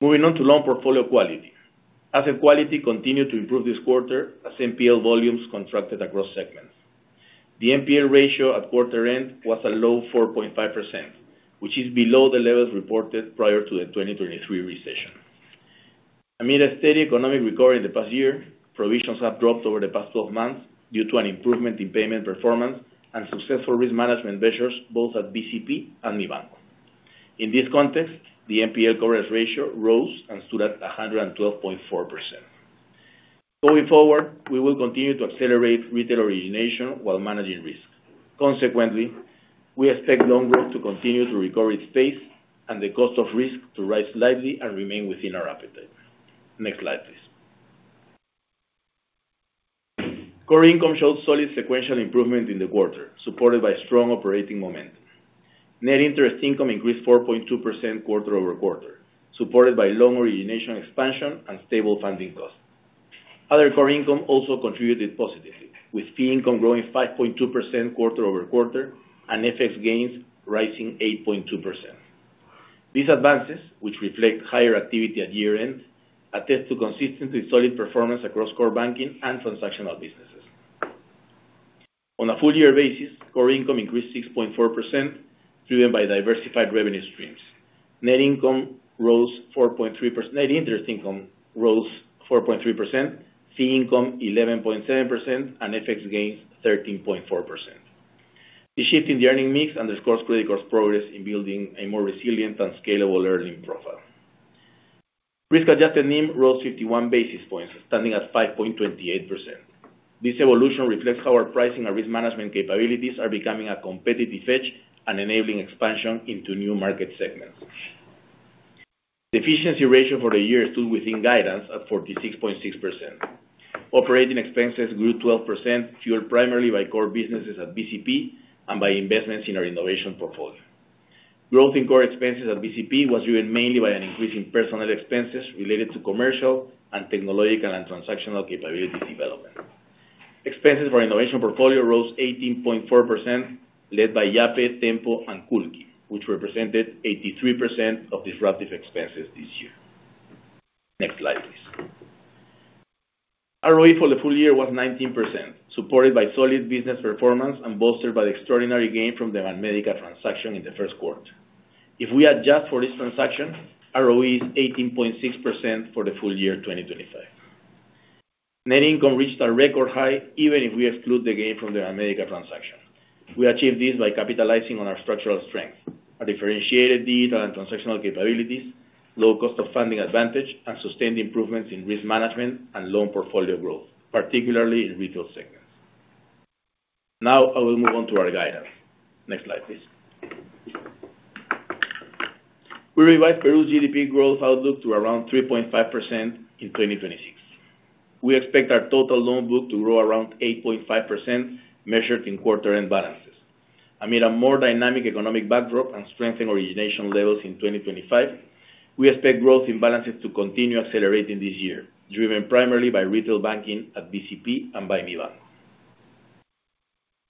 Moving on to loan portfolio quality. Asset quality continued to improve this quarter as NPL volumes contracted across segments. The NPL ratio at quarter end was a low 4.5%, which is below the levels reported prior to the 2023 recession. Amid a steady economic recovery in the past year, provisions have dropped over the past 12 months due to an improvement in payment performance and successful risk management measures, both at BCP and Mibanco. In this context, the NPL coverage ratio rose and stood at 112.4%. Going forward, we will continue to accelerate retail origination while managing risk. Consequently, we expect loan growth to continue to recover its pace and the cost of risk to rise slightly and remain within our appetite. Next slide, please. Core income showed solid sequential improvement in the quarter, supported by strong operating momentum. Net interest income increased 4.2% quarter-over-quarter, supported by loan origination expansion and stable funding costs. Other core income also contributed positively, with fee income growing 5.2% quarter-over-quarter, and FX gains rising 8.2%. These advances, which reflect higher activity at year-end, attest to consistently solid performance across core banking and transactional businesses. On a full year basis, core income increased 6.4%, driven by diversified revenue streams. Net income rose 4.3%, net interest income rose 4.3%, fee income 11.7%, and FX gains 13.4%. The shift in the earning mix underscores Credicorp's progress in building a more resilient and scalable earning profile. Risk-adjusted NIM rose 51 basis points, standing at 5.28%. This evolution reflects how our pricing and risk management capabilities are becoming a competitive edge and enabling expansion into new market segments. The efficiency ratio for the year stood within guidance at 46.6%. Operating expenses grew 12%, fueled primarily by core businesses at BCP and by investments in our innovation portfolio. Growth in core expenses at BCP was driven mainly by an increase in personnel expenses related to commercial and technological and transactional capability development. Expenses for innovation portfolio rose 18.4%, led by Yape, Tenpo, and Culqi, which represented 83% of disruptive expenses this year. Next slide, please. ROE for the full year was 19%, supported by solid business performance and bolstered by the extraordinary gain from the Banmédica transaction in the first quarter. If we adjust for this transaction, ROE is 18.6% for the full year, 2025. Net income reached a record high, even if we exclude the gain from the Banmédica transaction. We achieved this by capitalizing on our structural strength, a differentiated data and transactional capabilities, low cost of funding advantage, and sustained improvements in risk management and loan portfolio growth, particularly in retail segments. Now, I will move on to our guidance. Next slide, please. We revised Peru's GDP growth outlook to around 3.5% in 2026. We expect our total loan book to grow around 8.5%, measured in quarter end balances. Amid a more dynamic economic backdrop and strengthening origination levels in 2025, we expect growth in balances to continue accelerating this year, driven primarily by retail banking at BCP and by Mibanco.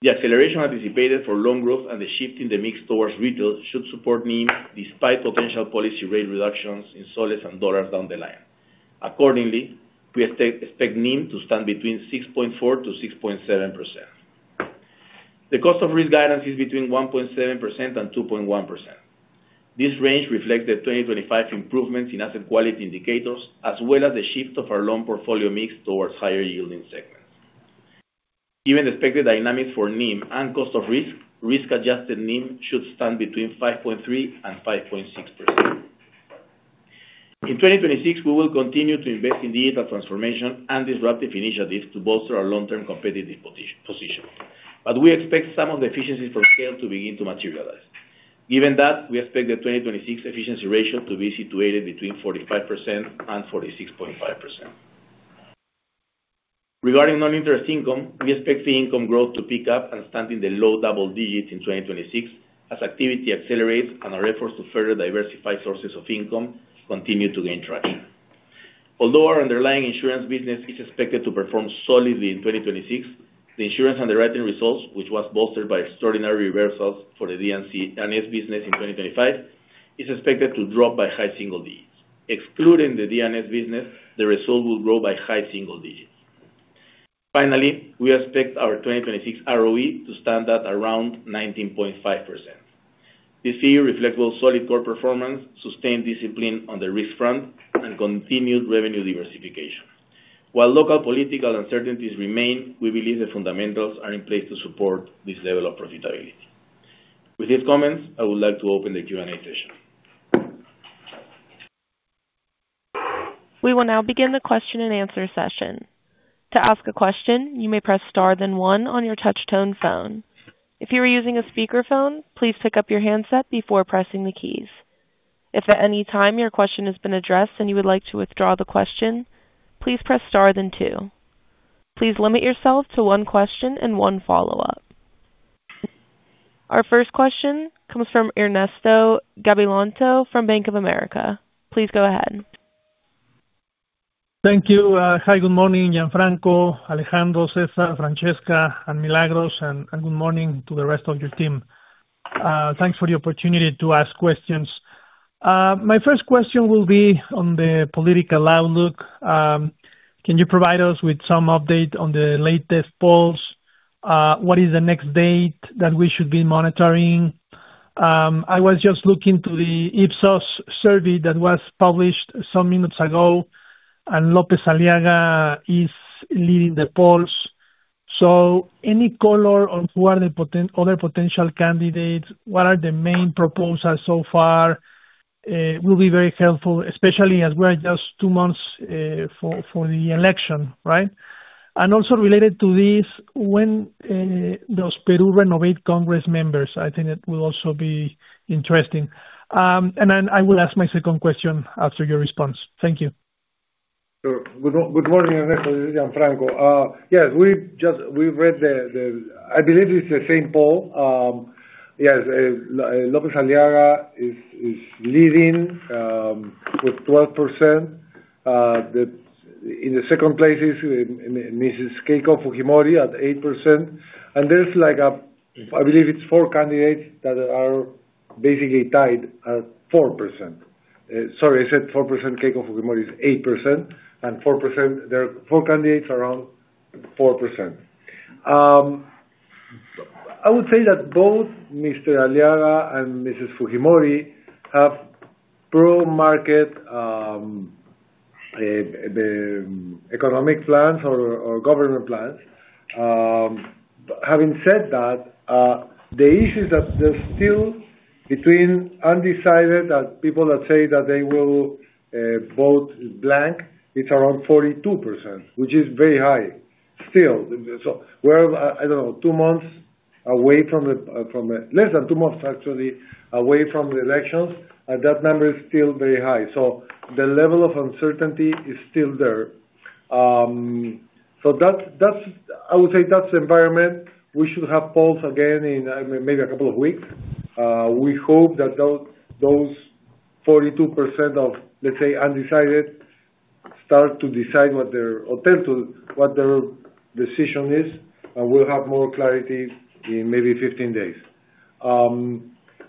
The acceleration anticipated for loan growth and the shift in the mix towards retail should support NIM, despite potential policy rate reductions in soles and dollars down the line. Accordingly, we expect NIM to stand between 6.4% to 6.7%. The cost of risk guidance is between 1.7% and 2.1%. This range reflects the 2025 improvements in asset quality indicators, as well as the shift of our loan portfolio mix towards higher yielding segments. Given the expected dynamics for NIM and cost of risk, risk-adjusted NIM should stand between 5.3% and 5.6%. In 2026, we will continue to invest in data transformation and disruptive initiatives to bolster our long-term competitive position, but we expect some of the efficiencies from scale to begin to materialize. Given that, we expect the 2026 efficiency ratio to be situated between 45% and 46.5%. Regarding non-interest income, we expect the income growth to pick up and stand in the low double digits in 2026, as activity accelerates and our efforts to further diversify sources of income continue to gain traction. Although our underlying insurance business is expected to perform solidly in 2026, the insurance underwriting results, which was bolstered by extraordinary reversals for the D&S and its business in 2025, is expected to drop by high single digits. Excluding the D&S business, the result will grow by high single digits. Finally, we expect our 2026 ROE to stand at around 19.5%. This year reflects both solid core performance, sustained discipline on the risk front, and continued revenue diversification. While local political uncertainties remain, we believe the fundamentals are in place to support this level of profitability. With these comments, I would like to open the Q&A session. We will now begin the question and answer session. To ask a question, you may press star then one on your touchtone phone. If you are using a speakerphone, please pick up your handset before pressing the keys. If at any time your question has been addressed and you would like to withdraw the question, please press star then two. Please limit yourself to one question and one follow-up. Our first question comes from Ernesto Gabilondo from Bank of America. Please go ahead. Thank you. Hi, good morning, Gianfranco, Alejandro, Cesar, Francesca, and Milagros, and good morning to the rest of your team. Thanks for the opportunity to ask questions. My first question will be on the political outlook. Can you provide us with some update on the latest polls? What is the next date that we should be monitoring? I was just looking to the Ipsos survey that was published some minutes ago, and López Aliaga is leading the polls. So any color on who are the other potential candidates, what are the main proposals so far, will be very helpful, especially as we are just two months for the election, right? And also related to this, when does Peru renovate Congress members? I think it will also be interesting. Then I will ask my second question after your response. Thank you. Sure. Good morning, Ernesto. This is Gianfranco. Yes, we've just read it. I believe it's the same poll. Yes, López Aliaga is leading with 12%. In the second place is Mrs. Keiko Fujimori at 8%. And there's like a, I believe it's four candidates that are basically tied at 4%. Sorry, I said four percent, Keiko Fujimori is 8%, and 4%, there are four candidates around 4%. I would say that both Mr. Aliaga and Mrs. Fujimori have pro-market the economic plans or government plans. Having said that, the issue is that there's still between undecided and people that say that they will vote blank, it's around 42%, which is very high still. So we're, I don't know, two months away from the—less than two months, actually, away from the elections, and that number is still very high. So the level of uncertainty is still there. So that's—I would say that's the environment. We should have polls again in maybe a couple of weeks. We hope that those, those-... 42% of, let's say, undecided, start to decide what their potential, what their decision is, and we'll have more clarity in maybe 15 days.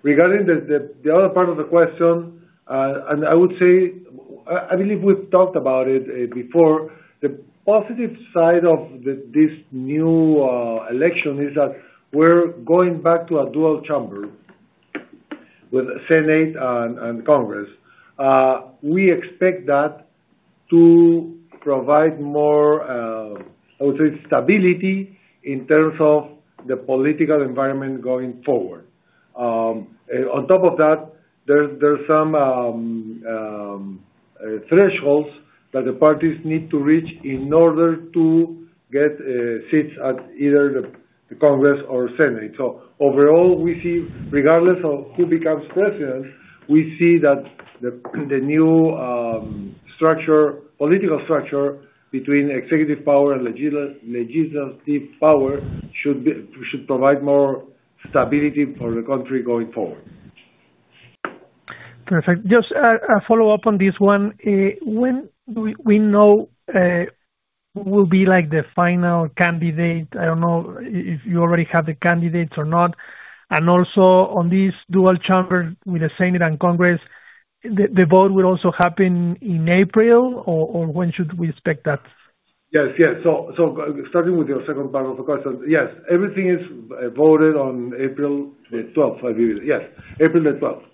Regarding the other part of the question, and I would say, I believe we've talked about it, before. The positive side of this new election, is that we're going back to a dual chamber, with a Senate and Congress. We expect that to provide more, I would say, stability, in terms of the political environment going forward. And on top of that, there's some thresholds that the parties need to reach in order to get seats at either the Congress or Senate. Overall, we see, regardless of who becomes president, we see that the new political structure between executive power and legislative power should provide more stability for the country going forward. Perfect. Just a follow-up on this one. When do we know will be, like, the final candidate? I don't know if you already have the candidates or not. And also, on this dual chamber with the Senate and Congress, the vote will also happen in April, or when should we expect that? Yes, yes. So starting with your second part of the question, yes, everything is voted on April the twelfth, I believe. Yes, April the twelfth.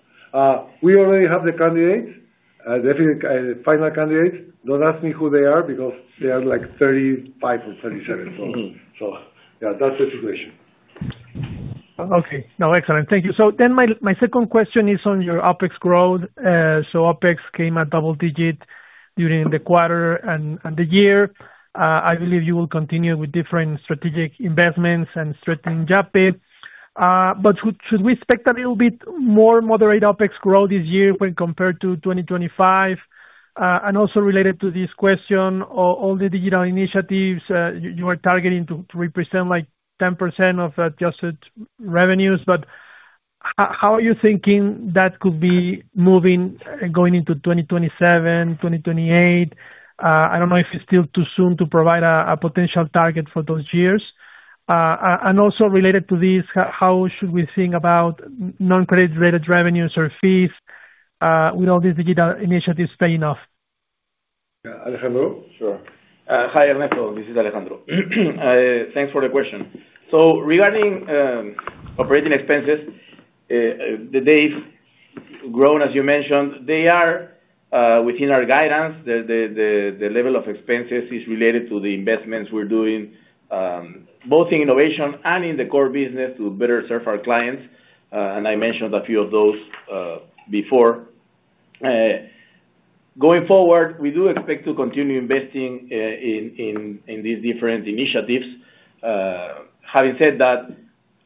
We already have the candidates, the final candidates. Don't ask me who they are, because they are, like, 35 or 37. Mm-hmm. So, yeah, that's the situation. Okay. No, excellent. Thank you. So then, my second question is on your OpEx growth. So OpEx came at double-digit during the quarter and the year. I believe you will continue with different strategic investments and strengthening Yape. But should we expect a little bit more moderate OpEx growth this year when compared to 2025? And also related to this question, all the digital initiatives, you are targeting to represent, like, 10% of adjusted revenues. But how are you thinking that could be moving going into 2027, 2028? I don't know if it's still too soon to provide a potential target for those years. And also related to this, how should we think about non-credit-related revenues or fees, with all these digital initiatives paying off? Yeah, Alejandro? Sure. Hi, Ernesto. This is Alejandro. Thanks for the question. So regarding operating expenses, they've grown, as you mentioned. They are within our guidance. The level of expenses is related to the investments we're doing both in innovation and in the core business to better serve our clients, and I mentioned a few of those before. Going forward, we do expect to continue investing in these different initiatives. Having said that,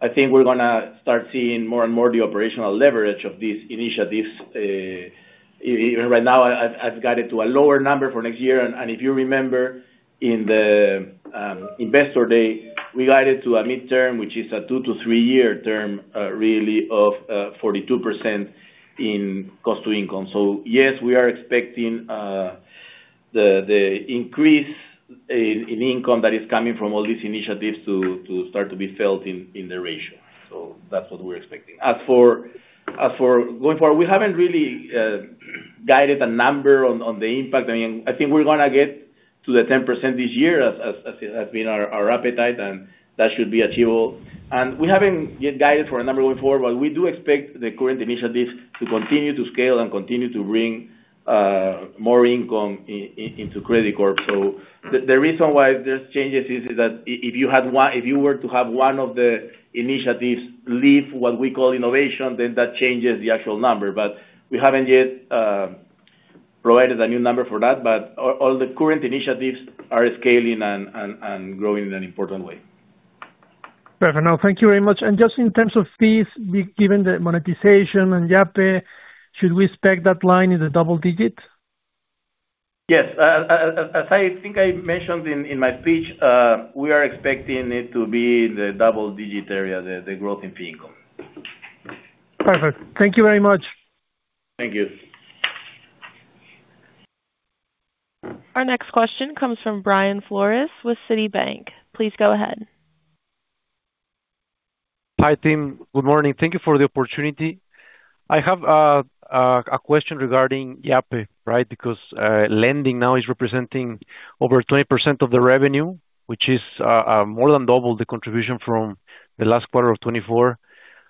I think we're gonna start seeing more and more the operational leverage of these initiatives. Right now, I've got it to a lower number for next year, and if you remember, in the Investor Day, we guided to a midterm, which is a 2-3-year term, really, of 42% in cost to income. So yes, we are expecting the increase in income that is coming from all these initiatives to start to be felt in the ratio. So that's what we're expecting. As for going forward, we haven't really guided a number on the impact. I mean, I think we're gonna get to the 10% this year, as has been our appetite, and that should be achievable. And we haven't yet guided for a number going forward, but we do expect the current initiatives to continue to scale and continue to bring more income into Credicorp. So the reason why this changes is that if you were to have one of the initiatives leave what we call innovation, then that changes the actual number. But we haven't yet provided a new number for that, but all the current initiatives are scaling and growing in an important way. Perfect. Now, thank you very much. And just in terms of fees, given the monetization and Yape, should we expect that line in the double digits? Yes. As I think I mentioned in my speech, we are expecting it to be in the double-digit area, the growth in fee income. Perfect. Thank you very much. Thank you. Our next question comes from Brian Flores with Citibank. Please go ahead. Hi, team. Good morning. Thank you for the opportunity. I have a question regarding Yape, right? Because lending now is representing over 20% of the revenue, which is more than double the contribution from the last quarter of 2024.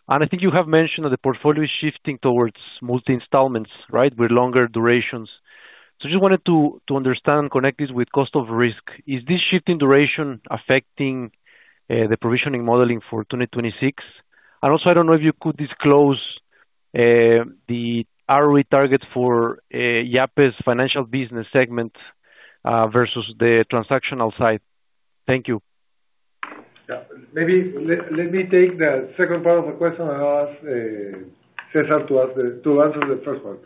And I think you have mentioned that the portfolio is shifting towards multi-installments, right? With longer durations. So just wanted to understand, connect this with cost of risk. Is this shift in duration affecting the provisioning modeling for 2026? And also, I don't know if you could disclose the ROE target for Yape's financial business segment versus the transactional side. Thank you. Yeah. Maybe let me take the second part of the question and ask Cesar to answer the first one.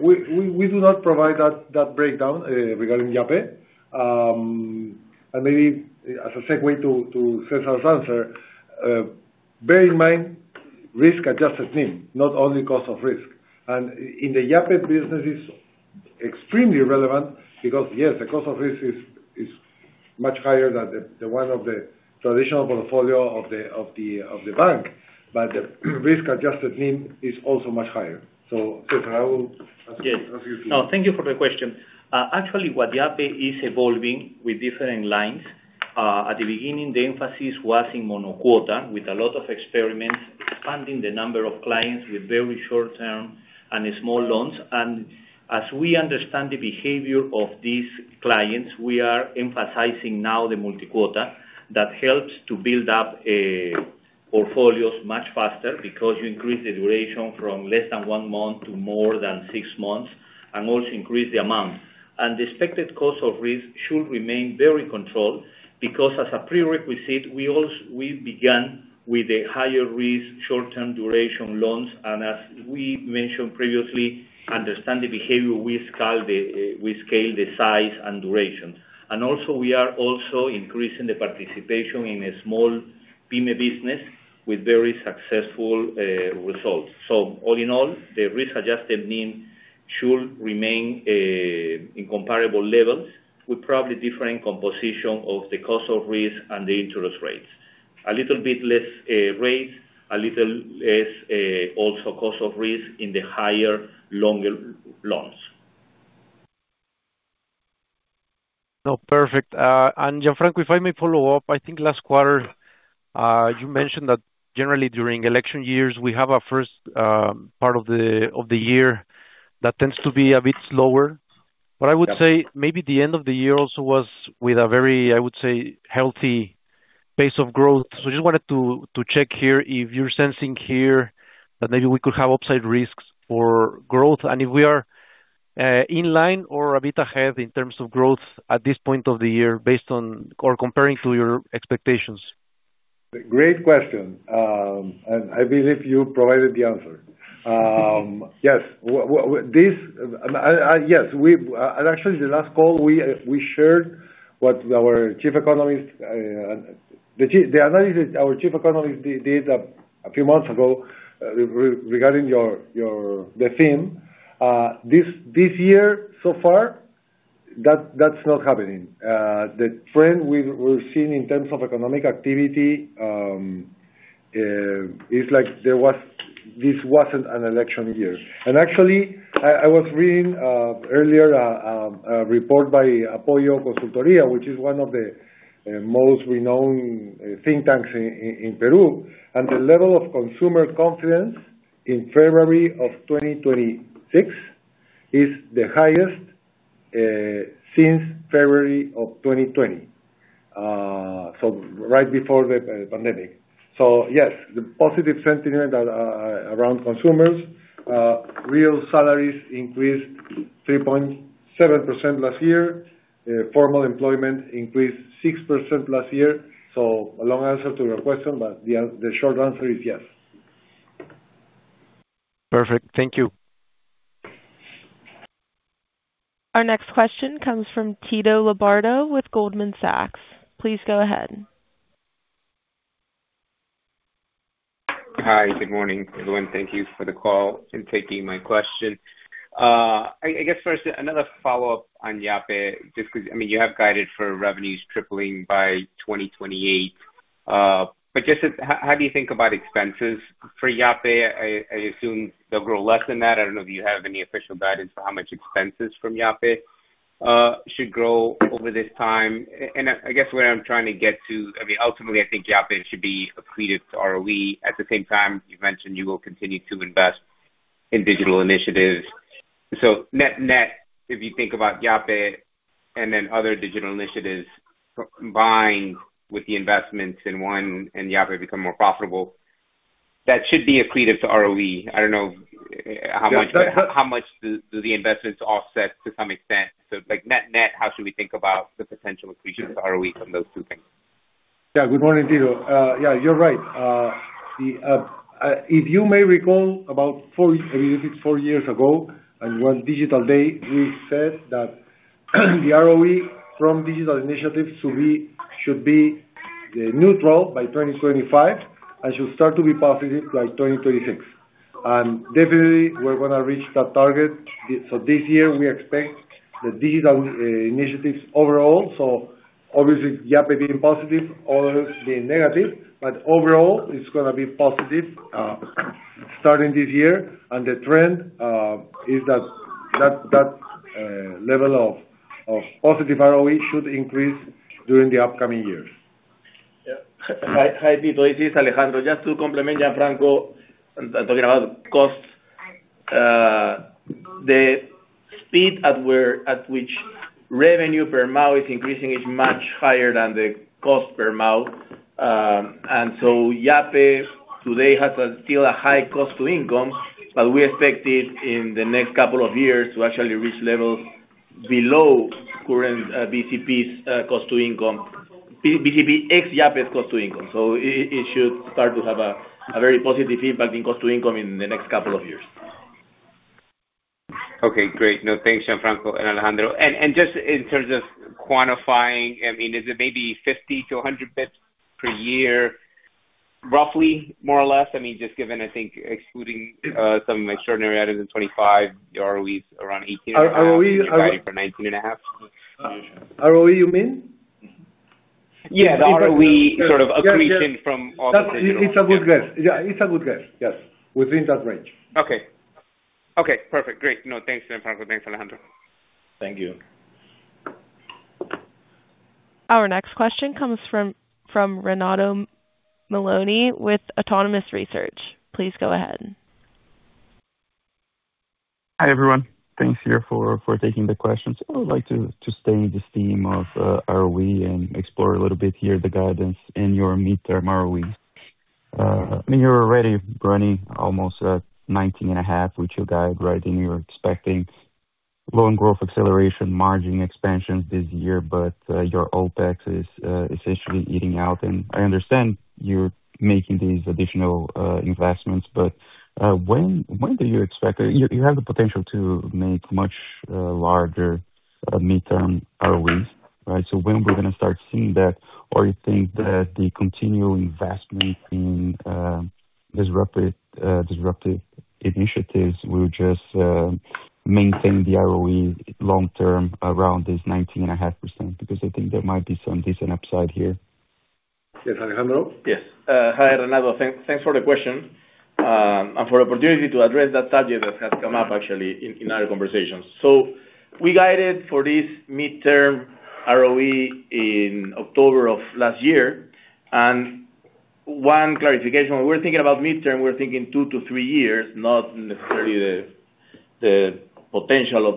We do not provide that breakdown regarding Yape. And maybe as a segue to Cesar's answer, bear in mind, risk-adjusted NIM, not only cost of risk. And in the Yape business, it's extremely relevant because, yes, the cost of risk is much higher than the one of the traditional portfolio of the bank, but the risk-adjusted NIM is also much higher. So Cesar, I will ask you to- Yes. No, thank you for the question. Actually, what Yape is evolving with different lines. At the beginning, the emphasis was in monocuota, with a lot of experiments, expanding the number of clients with very short-term and small loans. And as we understand the behavior of these clients, we are emphasizing now the multicuota that helps to build up portfolios much faster because you increase the duration from less than 1 month to more than 6 months, and also increase the amount. And the expected cost of risk should remain very controlled, because as a prerequisite, we began with a higher risk, short-term duration loans, and as we mentioned previously, understand the behavior, we scale the size and duration. And also, we are increasing the participation in a small Pyme business with very successful results. So all in all, the risk-adjusted NIM should remain in comparable levels, with probably different composition of the cost of risk and the interest rates. A little bit less rates, a little less also cost of risk in the higher, longer loans. No, perfect. And Gianfranco, if I may follow up, I think last quarter, you mentioned that generally during election years, we have a first part of the year that tends to be a bit slower. But I would say maybe the end of the year also was with a very, I would say, healthy pace of growth. So just wanted to check here if you're sensing here that maybe we could have upside risks for growth, and if we are in line or a bit ahead in terms of growth at this point of the year, based on or comparing to your expectations? Great question. And I believe you provided the answer. Yes, and actually, the last call, we shared the analysis our chief economist did a few months ago regarding your theme this year so far, that's not happening. The trend we've seen in terms of economic activity is like this wasn't an election year. Actually, I was reading earlier a report by APOYO Consultoría, which is one of the most renowned think tanks in Peru. The level of consumer confidence in February of 2026 is the highest since February of 2020, so right before the pandemic. So yes, the positive sentiment around consumers, real salaries increased 3.7% last year. Formal employment increased 6% last year. So a long answer to your question, but the short answer is yes. Perfect. Thank you. Our next question comes from Tito Labarta with Goldman Sachs. Please go ahead. Hi, good morning, everyone. Thank you for the call and taking my question. I guess first, another follow-up on Yape, just because, I mean, you have guided for revenues tripling by 2028, but just how do you think about expenses for Yape? I assume they'll grow less than that. I don't know if you have any official guidance for how much expenses from Yape should grow over this time. And I guess where I'm trying to get to, I mean, ultimately, I think Yape should be accretive to ROE. At the same time, you've mentioned you will continue to invest in digital initiatives. So net-net, if you think about Yape and then other digital initiatives, combined with the investments in one, and Yape become more profitable, that should be accretive to ROE. I don't know how much- Yeah, but- How much do the investments offset to some extent? So like net-net, how should we think about the potential accretion to the ROE from those two things? Yeah. Good morning, Tito. Yeah, you're right. If you may recall about four, I believe it's four years ago, and it was Digital Day, we said that the ROE from digital initiatives to be should be neutral by 2025, and should start to be positive by 2026. And definitely, we're gonna reach that target. So this year, we expect the digital initiatives overall, so obviously, Yape being positive, others being negative, but overall, it's gonna be positive starting this year. And the trend is that level of positive ROE should increase during the upcoming years. Yeah. Hi, hi, Tito. It is Alejandro. Just to complement Gianfranco talking about costs. The speed at which revenue per month is increasing is much higher than the cost per month. And so Yape today has still a high cost to income, but we expect it in the next couple of years to actually reach levels below current BCP's cost to income. BCP ex-Yape's cost to income. So it should start to have a very positive impact in cost to income in the next couple of years.... Okay, great. No, thanks, Gianfranco and Alejandro. And just in terms of quantifying, I mean, is it maybe 50-100 basis points per year, roughly, more or less? I mean, just given, I think, excluding some extraordinary items in 25, your ROE is around 18%- ROE- For 19.5? ROE, you mean? Yes, the ROE sort of accretion from- That's, it's a good guess. Yeah, it's a good guess. Yes. Within that range. Okay. Okay, perfect. Great. No, thanks, Gianfranco. Thanks, Alejandro. Thank you. Our next question comes from Renato Meloni, with Autonomous Research. Please go ahead. Hi, everyone. Thanks here for taking the questions. I would like to stay in the theme of ROE and explore a little bit here, the guidance and your midterm ROE. I mean, you're already running almost 19.5, which you guide, right? And you're expecting loan growth, acceleration, margin expansion this year, but your OpEx is essentially eating out. And I understand you're making these additional investments, but when do you expect... You have the potential to make much larger midterm ROE, right? So when we're gonna start seeing that, or you think that the continued investment in disruptive initiatives will just maintain the ROE long-term around this 19.5%? Because I think there might be some decent upside here. Yes, Alejandro? Yes. Hi, Renato. Thanks, thanks for the question, and for the opportunity to address that target that has come up actually in our conversations. So we guided for this midterm ROE in October of last year. And one clarification, when we're thinking about midterm, we're thinking two to three years, not necessarily the potential of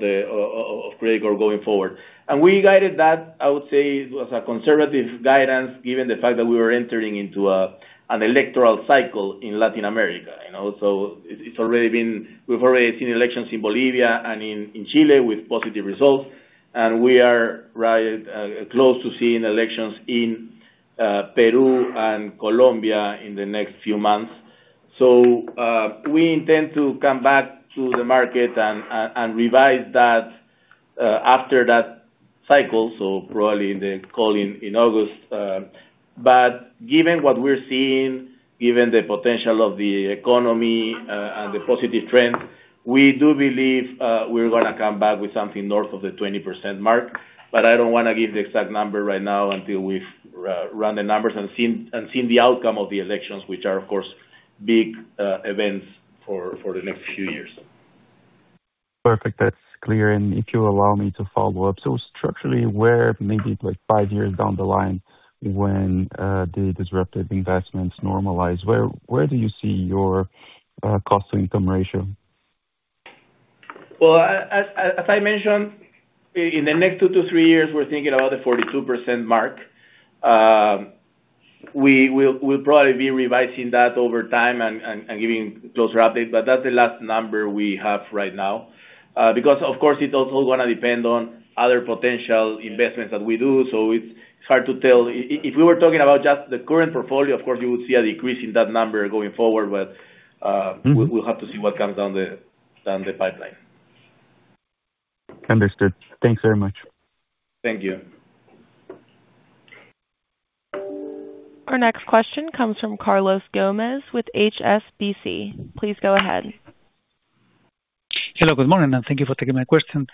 Credicorp going forward. And we guided that, I would say, it was a conservative guidance, given the fact that we were entering into an electoral cycle in Latin America, you know? So it's already been. We've already seen elections in Bolivia and in Chile with positive results, and we are right close to seeing elections in Peru and Colombia in the next few months. So, we intend to come back to the market and revise that after that cycle, so probably in the call in August. But given what we're seeing, given the potential of the economy, and the positive trend, we do believe we're gonna come back with something north of the 20% mark, but I don't wanna give the exact number right now until we've run the numbers and seen the outcome of the elections, which are, of course, big events for the next few years. Perfect. That's clear. And if you allow me to follow up, so structurally, where maybe like five years down the line, when the disruptive investments normalize, where, where do you see your cost to income ratio? Well, as I mentioned, in the next two to three years, we're thinking about the 42% mark. We'll probably be revising that over time and giving closer updates, but that's the last number we have right now. Because, of course, it's also gonna depend on other potential investments that we do, so it's hard to tell. If we were talking about just the current portfolio, of course, we would see a decrease in that number going forward, but- Mm-hmm. We'll have to see what comes down the pipeline. Understood. Thanks very much. Thank you. Our next question comes from Carlos Gomez, with HSBC. Please go ahead. Hello, good morning, and thank you for taking my question.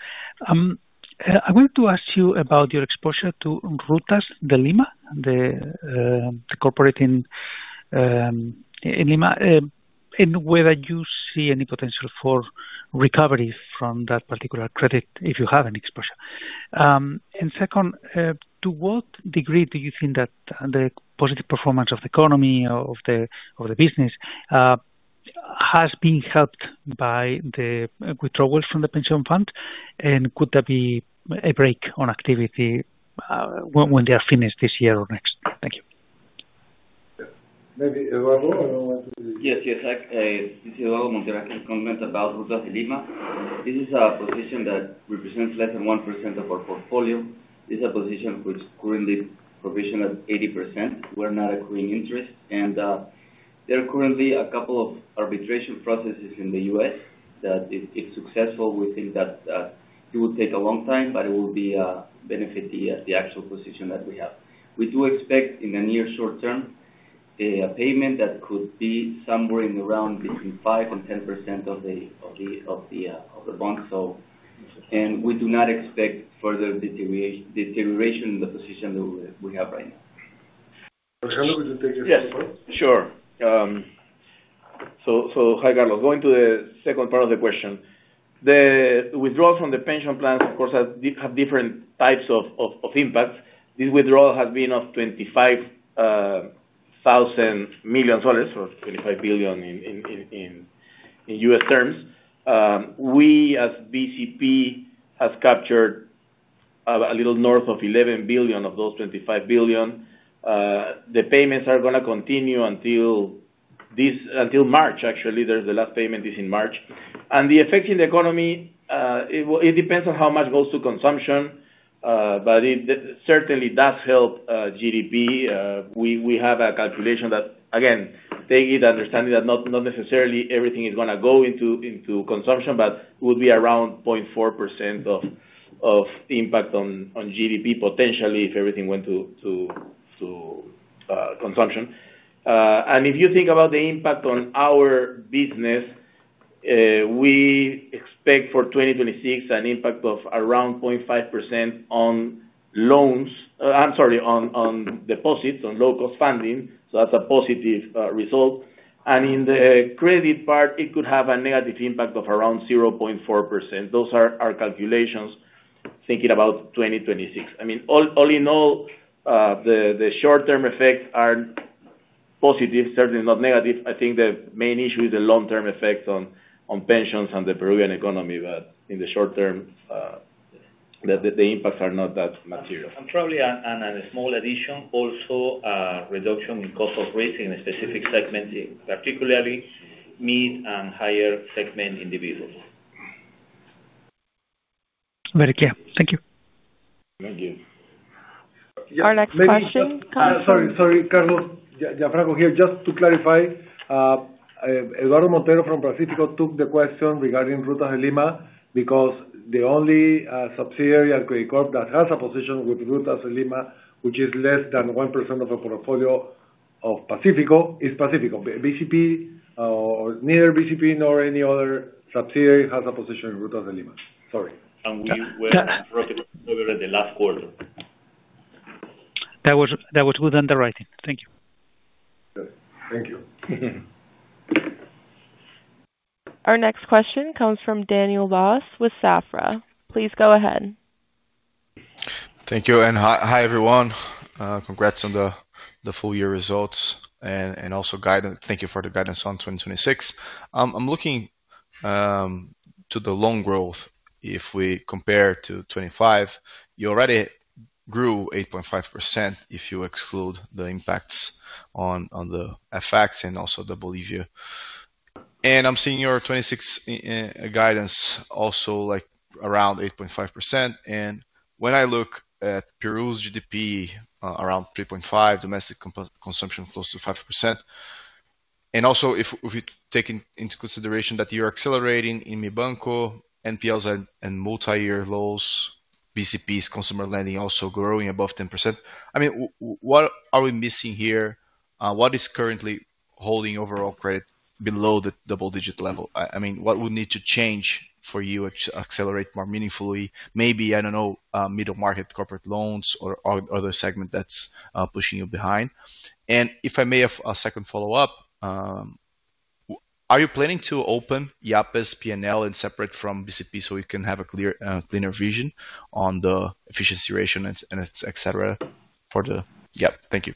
I wanted to ask you about your exposure to Rutas de Lima, the corporate in Lima, and whether you see any potential for recovery from that particular credit, if you have any exposure. And second, to what degree do you think that the positive performance of the economy of the business has been helped by the withdrawals from the pension fund? And could there be a break on activity, when they are finished this year or next? Thank you. Maybe, Eduardo, I don't want to- Yes, yes, Just a, "... comment about Rutas de Lima. This is a position that represents less than 1% of our portfolio. This is a position which currently provisioned at 80%. We're not accruing interest. And there are currently a couple of arbitration processes in the U.S., that if successful, we think that it will take a long time, but it will benefit the actual position that we have. We do expect in the near short term, a payment that could be somewhere in around between 5%-10% of the bond, so... And we do not expect further deterioration in the position that we have right now. Alejandro, did you take it? Yes, sure. So, hi, Carlos. Going to the second part of the question. The withdrawals from the pension plans, of course, have different types of impact. This withdrawal has been of $25 billion, or $25 billion in U.S. terms. We, as BCP, has captured a little north of $11 billion of those $25 billion. The payments are gonna continue until March, actually, there's the last payment is in March. And the effect in the economy, it will. It depends on how much goes to consumption. But it certainly does help GDP. We have a calculation that, again, take it understanding that not necessarily everything is gonna go into consumption, but will be around 0.4% of the impact on GDP, potentially, if everything went to consumption. And if you think about the impact on our business, we expect for 2026, an impact of around 0.5% on loans, I'm sorry, on deposits, on low-cost funding, so that's a positive result. And in the credit part, it could have a negative impact of around 0.4%. Those are our calculations, thinking about 2026. I mean, all in all, the short-term effects are positive, certainly not negative. I think the main issue is the long-term effects on pensions and the Peruvian economy, but in the short term, the impacts are not that material. Probably a small addition, also, reduction in cost of raising a specific segment, particularly mid- and higher-segment individuals. Very clear. Thank you. Thank you. Our next question comes from- Sorry, sorry, Carlos. Gianfranco here, just to clarify, Eduardo Montero from Pacífico took the question regarding Rutas de Lima, because the only subsidiary at Credicorp that has a position with Rutas de Lima, which is less than 1% of the portfolio of Pacífico, is Pacífico. BCP, or neither BCP nor any other subsidiary has a position in Rutas de Lima. Sorry. And we were- Yeah. Over in the last quarter. That was good underwriting. Thank you. Good. Thank you. Our next question comes from Daniel Vaz with Safra. Please go ahead. Thank you, and hi, hi, everyone. Congrats on the full year results and also guidance. Thank you for the guidance on 2026. I'm looking to the loan growth. If we compare to 2025, you already grew 8.5%, if you exclude the impacts on the FX and also the Bolivia. And I'm seeing your 2026 guidance also, like, around 8.5%. And when I look at Peru's GDP, around 3.5%, domestic consumption close to 5%. And also, if you take into consideration that you're accelerating in Mibanco, NPLs at multi-year lows, BCP's consumer lending also growing above 10%. I mean, what are we missing here? What is currently holding overall credit below the double-digit level? I mean, what would need to change for you to accelerate more meaningfully? Maybe, I don't know, middle market corporate loans or other segment that's pushing you behind. And if I may have a second follow-up, are you planning to open Yape's P&L and separate from BCP so we can have a clear, cleaner vision on the efficiency ratio and its, and its et cetera, for the... Yeah. Thank you.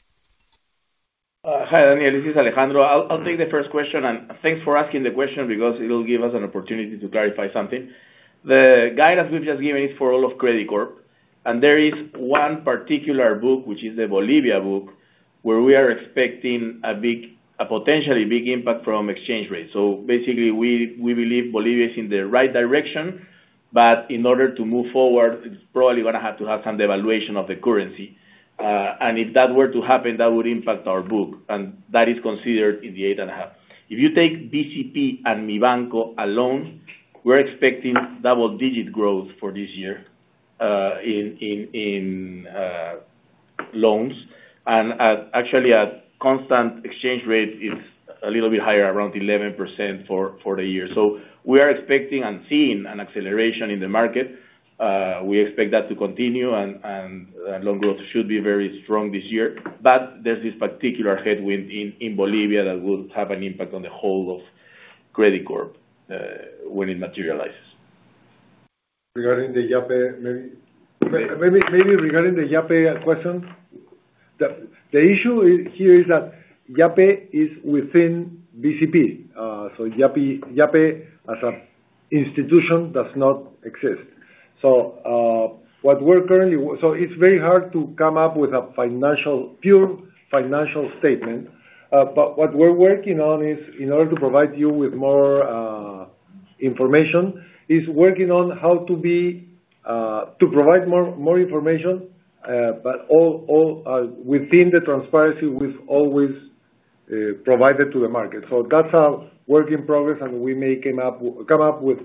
Hi, Daniel, this is Alejandro. I'll take the first question, and thanks for asking the question because it'll give us an opportunity to clarify something. The guidance we've just given is for all of Credicorp, and there is one particular book, which is the Bolivia book, where we are expecting a potentially big impact from exchange rates. So basically, we believe Bolivia is in the right direction, but in order to move forward, it's probably gonna have to have some devaluation of the currency. And if that were to happen, that would impact our book, and that is considered in the 8.5. If you take BCP and Mibanco alone, we're expecting double digit growth for this year in loans. At, actually, at constant exchange rate, it's a little bit higher, around 11% for the year. So we are expecting and seeing an acceleration in the market. We expect that to continue and loan growth should be very strong this year. But there's this particular headwind in Bolivia that will have an impact on the whole of Credicorp when it materializes. Regarding the Yape question, the issue here is that Yape is within BCP. So Yape, as an institution, does not exist. So, it's very hard to come up with a pure financial statement, but what we're working on is, in order to provide you with more information, to provide more information, but all within the transparency we've always provided to the market. So that's a work in progress, and we may come up with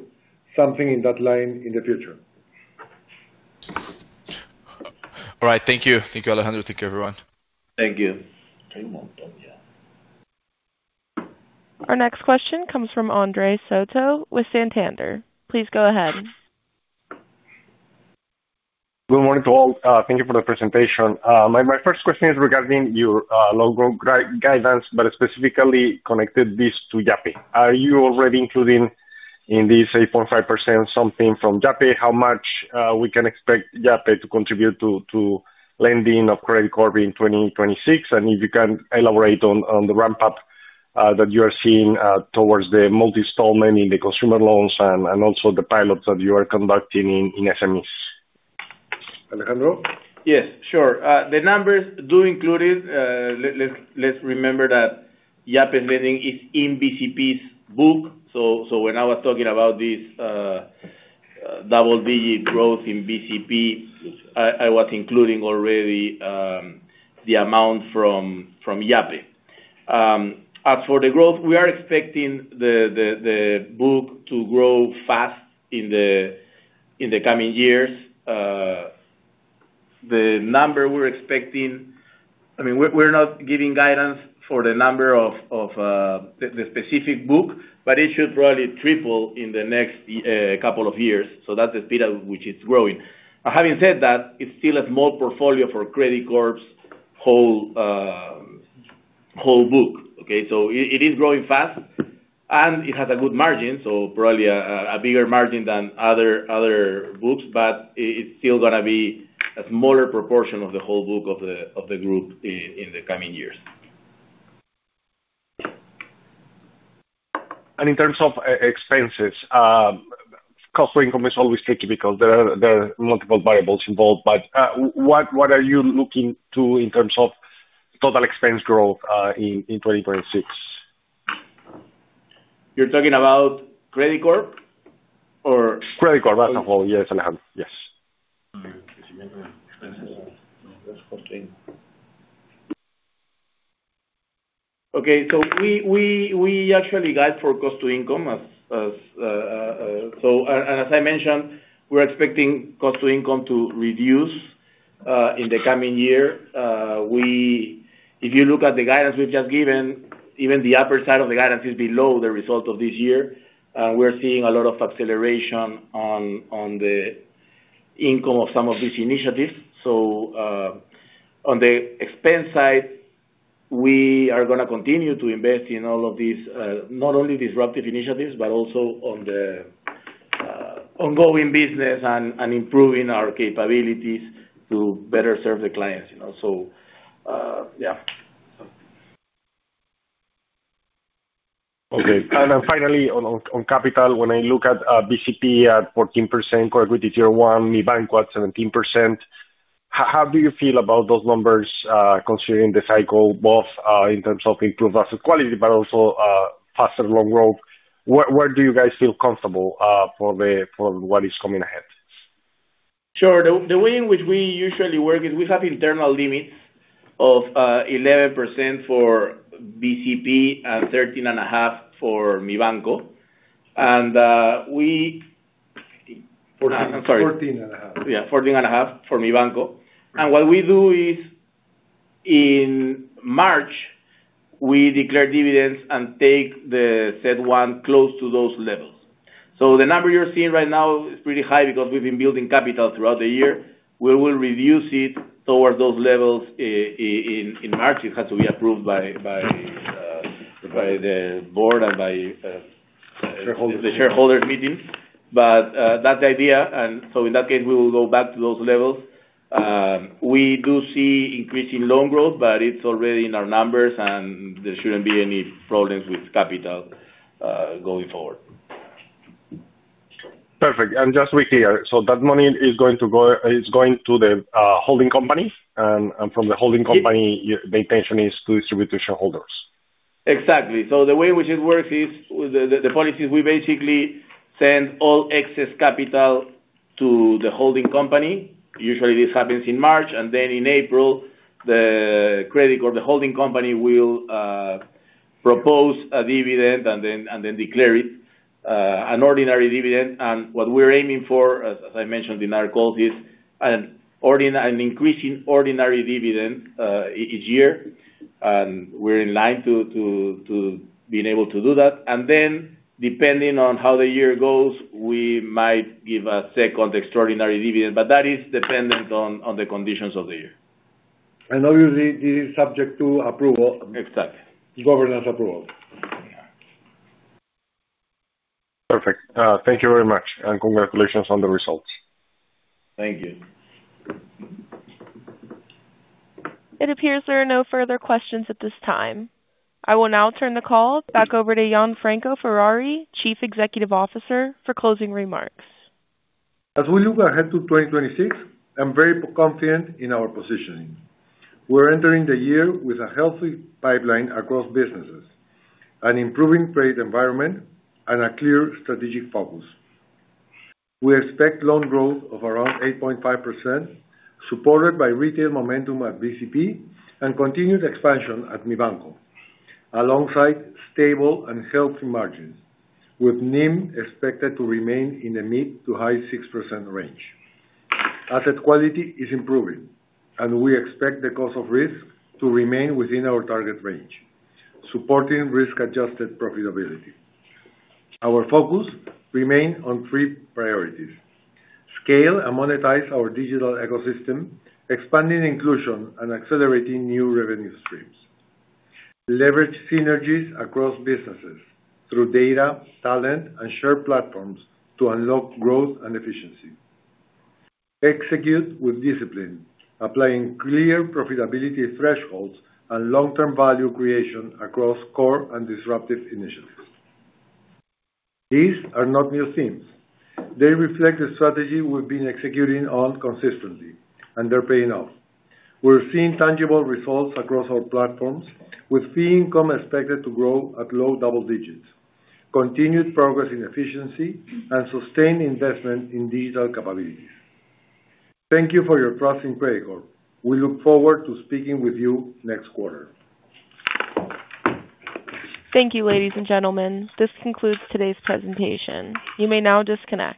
something in that line in the future. All right. Thank you. Thank you, Alejandro. Thank you, everyone. Thank you. Thank you. Our next question comes from Andres Soto with Santander. Please go ahead. Good morning to all. Thank you for the presentation. My first question is regarding your low growth guidance, but specifically connected this to Yape. Are you already including in this 8.5% something from Yape? How much we can expect Yape to contribute to lending of Credicorp in 2026? And if you can elaborate on the ramp-up that you are seeing towards the multi-installment in the consumer loans and also the pilots that you are conducting in SMEs. Alejandro? Yes, sure. The numbers do include it. Let's remember that-... Yape lending is in BCP's book, so when I was talking about this, double-digit growth in BCP, I was including already the amount from Yape. As for the growth, we are expecting the book to grow fast in the coming years. The number we're expecting—I mean, we're not giving guidance for the number of the specific book, but it should probably triple in the next couple of years, so that's the speed at which it's growing. Having said that, it's still a small portfolio for Credicorp's whole book, okay? So it is growing fast, and it has a good margin, so probably a bigger margin than other books, but it's still gonna be a smaller proportion of the whole book of the group in the coming years. In terms of expenses, cost to income is always tricky because there are multiple variables involved, but what are you looking to in terms of total expense growth in 2026? You're talking about Credicorp or? Credicorp, as a whole, yes, Alejandro. Yes. Okay, so we actually guide for cost to income. So, and as I mentioned, we're expecting cost to income to reduce in the coming year. If you look at the guidance we've just given, even the upper side of the guidance is below the result of this year. We're seeing a lot of acceleration on the income of some of these initiatives. So, on the expense side, we are gonna continue to invest in all of these, not only disruptive initiatives, but also on the ongoing business and improving our capabilities to better serve the clients, you know? So, yeah. Okay. And then finally, on capital, when I look at BCP at 14%, core equity tier one, Mibanco at 17%, how do you feel about those numbers, considering the cycle, both in terms of improved asset quality, but also faster loan growth? Where do you guys feel comfortable for what is coming ahead? Sure. The way in which we usually work is we have internal limits of 11% for BCP and 13.5% for Mibanco. And we- 14. Sorry, 14.5. Yeah, 14.5 for Mibanco. And what we do is, in March, we declare dividends and take the CET1 close to those levels. So the number you're seeing right now is pretty high because we've been building capital throughout the year. We will reduce it toward those levels in March. It has to be approved by the board and by Shareholders... the shareholder meetings. But that's the idea, and so in that case, we will go back to those levels. We do see increasing loan growth, but it's already in our numbers, and there shouldn't be any problems with capital going forward. Perfect. And just to be clear, so that money is going to the holding company, and from the holding company- Yes. Your intention is to distribute to shareholders? Exactly. So the way which it works is, the policy, we basically send all excess capital to the holding company. Usually, this happens in March, and then in April, Credicorp, the holding company will propose a dividend and then declare it an ordinary dividend. And what we're aiming for, as I mentioned in our call, is an increasing ordinary dividend each year, and we're in line to being able to do that. And then, depending on how the year goes, we might give a second extraordinary dividend, but that is dependent on the conditions of the year. Obviously, it is subject to approval? Exactly. Governance approval. Yeah. Perfect. Thank you very much, and congratulations on the results. Thank you. It appears there are no further questions at this time. I will now turn the call back over to Gianfranco Ferrari, Chief Executive Officer, for closing remarks. As we look ahead to 2026, I'm very confident in our positioning. We're entering the year with a healthy pipeline across businesses, an improving trade environment, and a clear strategic focus. We expect loan growth of around 8.5%, supported by retail momentum at BCP and continued expansion at Mibanco, alongside stable and healthy margins, with NIM expected to remain in the mid- to high-6% range. Asset quality is improving, and we expect the cost of risk to remain within our target range, supporting risk-adjusted profitability. Our focus remain on three priorities: scale and monetize our digital ecosystem, expanding inclusion and accelerating new revenue streams. Leverage synergies across businesses through data, talent, and shared platforms to unlock growth and efficiency. Execute with discipline, applying clear profitability thresholds and long-term value creation across core and disruptive initiatives. These are not new themes. They reflect the strategy we've been executing on consistently, and they're paying off. We're seeing tangible results across our platforms, with fee income expected to grow at low double digits, continued progress in efficiency, and sustained investment in digital capabilities. Thank you for your trust in Credicorp. We look forward to speaking with you next quarter. Thank you, ladies and gentlemen. This concludes today's presentation. You may now disconnect.